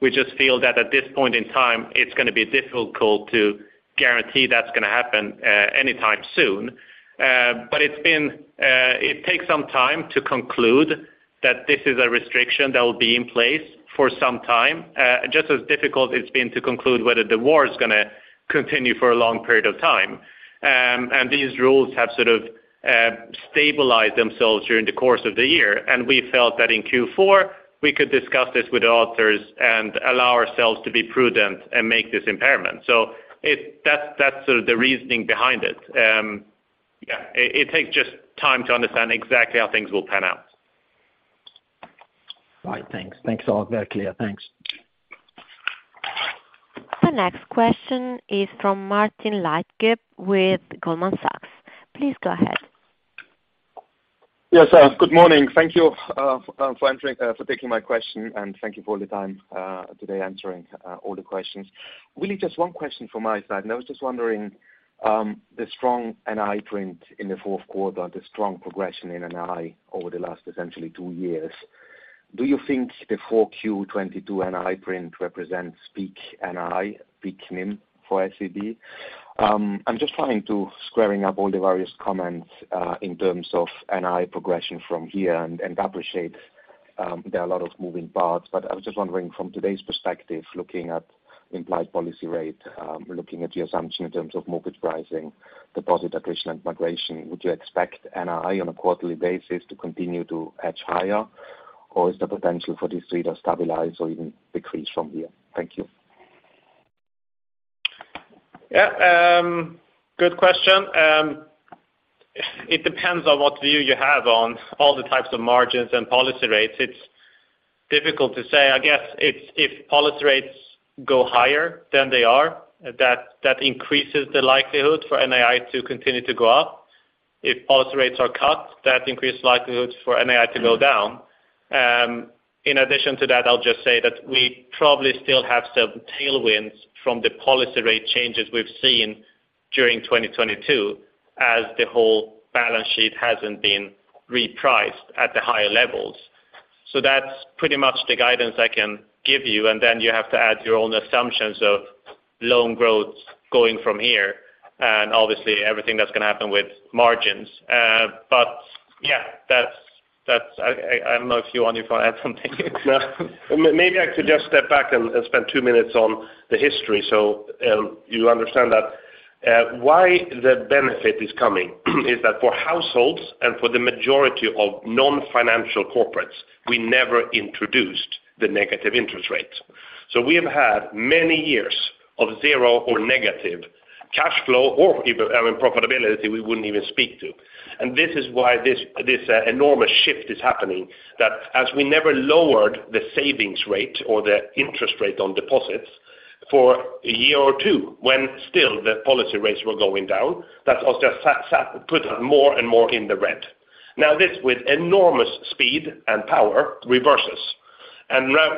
S3: We just feel that at this point in time, it's gonna be difficult to guarantee that's gonna happen anytime soon. It's been. It takes some time to conclude that this is a restriction that will be in place for some time, just as difficult it's been to conclude whether the war is gonna continue for a long period of time. These rules have sort of stabilized themselves during the course of the year. We felt that in Q4, we could discuss this with the authors and allow ourselves to be prudent and make this impairment. That's, that's sort of the reasoning behind it. Yeah. It, it takes just time to understand exactly how things will pan out.
S13: Right. Thanks. Thanks all. Very clear. Thanks.
S1: The next question is from Martin Leitgeb with Goldman Sachs. Please go ahead.
S14: Yes. Good morning. Thank you for answering, for taking my question, and thank you for all the time today answering all the questions. Really just one question from my side. I was just wondering, the strong NII print in the fourth quarter, the strong progression in NII over the last essentially two years. Do you think the full Q 2022 NII print represents peak NII, peak NIM for SEB? I'm just trying to squaring up all the various comments in terms of NII progression from here and appreciate there are a lot of moving parts. I was just wondering from today's perspective, looking at implied policy rate, looking at the assumption in terms of mortgage pricing, deposit acquisition and migration, would you expect NII on a quarterly basis to continue to edge higher? Is the potential for this to either stabilize or even decrease from here? Thank you.
S3: Yeah, good question. It depends on what view you have on all the types of margins and policy rates. It's difficult to say. I guess if policy rates go higher than they are, that increases the likelihood for NII to continue to go up. If policy rates are cut, that increases likelihoods for NII to go down. In addition to that, I'll just say that we probably still have some tailwinds from the policy rate changes we've seen during 2022 as the whole balance sheet hasn't been repriced at the higher levels. That's pretty much the guidance I can give you, and then you have to add your own assumptions of loan growth going from here and obviously everything that's gonna happen with margins. Yeah, that's... I don't know if you want to add something.
S2: Maybe I could just step back and spend two minutes on the history. You understand that why the benefit is coming is that for households and for the majority of non-financial corporates, we never introduced the negative interest rates. We have had many years of zero or negative cash flow or even, I mean, profitability we wouldn't even speak to. This is why this enormous shift is happening. That as we never lowered the savings rate or the interest rate on deposits for a year or two when still the policy rates were going down, that has just sat, put more and more in the red. This with enormous speed and power reverses.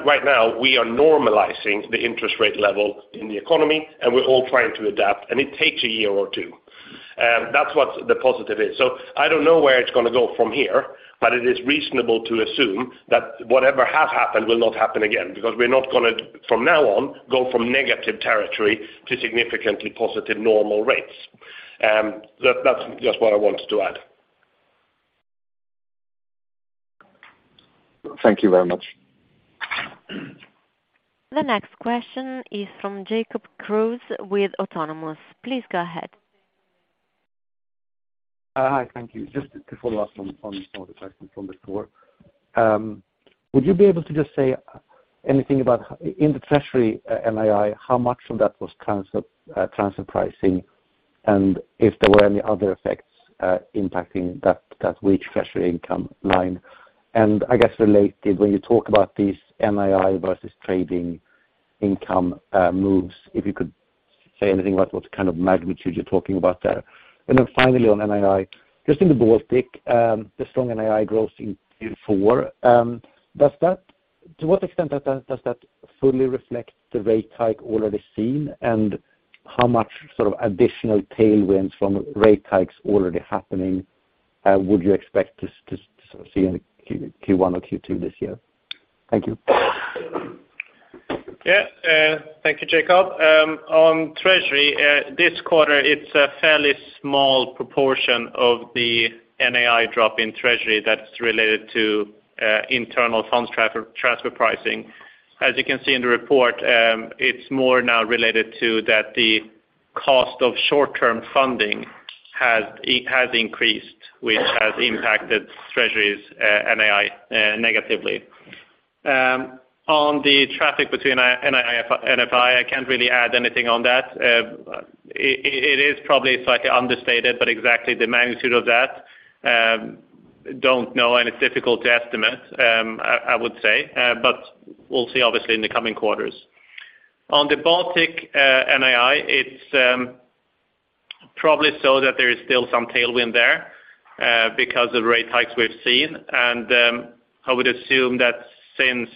S2: Right now we are normalizing the interest rate level in the economy, and we're all trying to adapt, and it takes a year or two. That's what the positive is. I don't know where it's gonna go from here, but it is reasonable to assume that whatever has happened will not happen again because we're not gonna from now on go from negative territory to significantly positive normal rates. That's just what I wanted to add.
S14: Thank you very much.
S1: The next question is from Jakob Kruse with Autonomous Research. Please go ahead.
S15: Hi. Thank you. Just to follow up on some of the questions from before. Would you be able to just say anything about in the treasury NII, how much of that was transfer pricing, and if there were any other effects impacting that wage treasury income line? I guess related, when you talk about these NII versus trading income moves, if you could say anything about what kind of magnitude you're talking about there. Finally on NII, just in the Baltic, the strong NII growth in Q4, to what extent does that fully reflect the rate hike already seen? How much sort of additional tailwinds from rate hikes already happening, would you expect to see in Q1 or Q2 this year? Thank you.
S2: Thank you, Jakob. On treasury, this quarter, it's a fairly small proportion of the NII drop in treasury that's related to internal funds transfer pricing. As you can see in the report, it's more now related to that the cost of short-term funding has increased, which has impacted treasury's NII negatively. On the traffic between NII and NFI, I can't really add anything on that. It is probably slightly understated, but exactly the magnitude of that, don't know, and it's difficult to estimate, I would say. We'll see obviously in the coming quarters. On the Baltic NII, it's probably so that there is still some tailwind there because of rate hikes we've seen. I would assume that since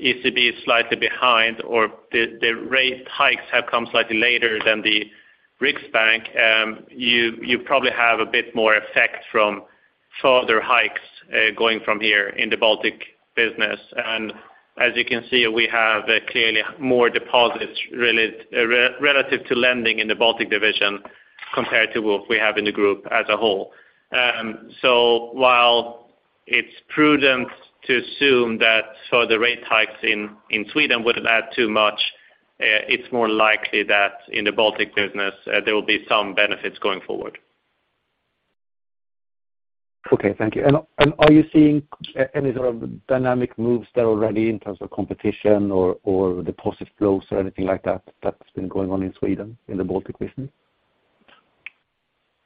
S2: ECB is slightly behind or the rate hikes have come slightly later than the Riksbank, you probably have a bit more effect from further hikes going from here in the Baltic business. As you can see, we have clearly more deposits relative to lending in the Baltic division compared to what we have in the group as a whole. While it's prudent to assume that so the rate hikes in Sweden wouldn't add too much. It's more likely that in the Baltic business, there will be some benefits going forward.
S15: Okay. Thank you. Are you seeing any sort of dynamic moves there already in terms of competition or deposit flows or anything like that that's been going on in Sweden in the Baltic business?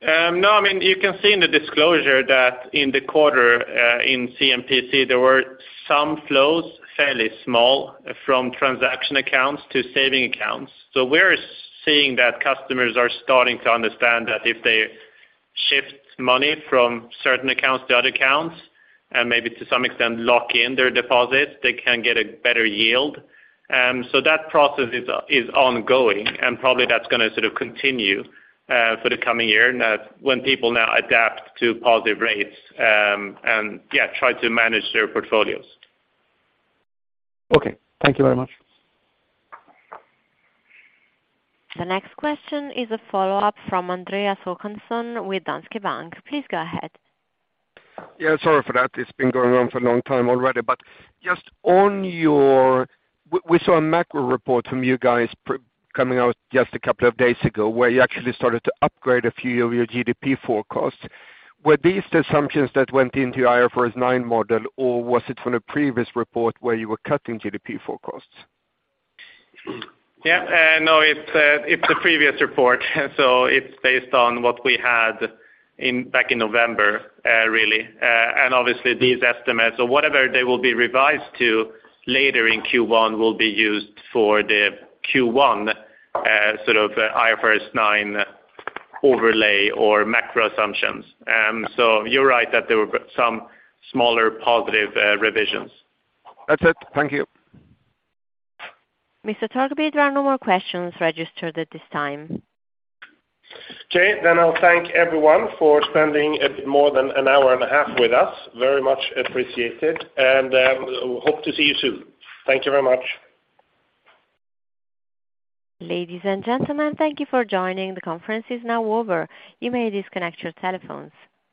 S2: No. I mean, you can see in the disclosure that in the quarter, in C&PC, there were some flows, fairly small from transaction accounts to saving accounts. We're seeing that customers are starting to understand that if they shift money from certain accounts to other accounts, and maybe to some extent lock in their deposits, they can get a better yield. That process is ongoing, and probably that's gonna sort of continue for the coming year now when people now adapt to positive rates, and yeah, try to manage their portfolios.
S15: Okay. Thank you very much.
S1: The next question is a follow-up from Andreas Håkansson with Danske Bank. Please go ahead.
S8: Yeah, sorry for that. It's been going on for a long time already. Just on your. We saw a macro report from you guys coming out just a couple of days ago where you actually started to upgrade a few of your GDP forecasts. Were these the assumptions that went into IFRS 9 model, or was it from a previous report where you were cutting GDP forecasts?
S2: Yeah. no, it's the previous report. it's based on what we had in, back in November, really. obviously these estimates or whatever they will be revised to later in Q1 will be used for the Q1, sort of IFRS 9 overlay or macro assumptions. you're right that there were some smaller positive, revisions.
S8: That's it. Thank you.
S1: Mr. Torgeby, there are no more questions registered at this time.
S2: Okay. I'll thank everyone for spending a bit more than an hour and a half with us. Very much appreciated, hope to see you soon. Thank you very much.
S1: Ladies and gentlemen, thank you for joining. The conference is now over. You may disconnect your telephones.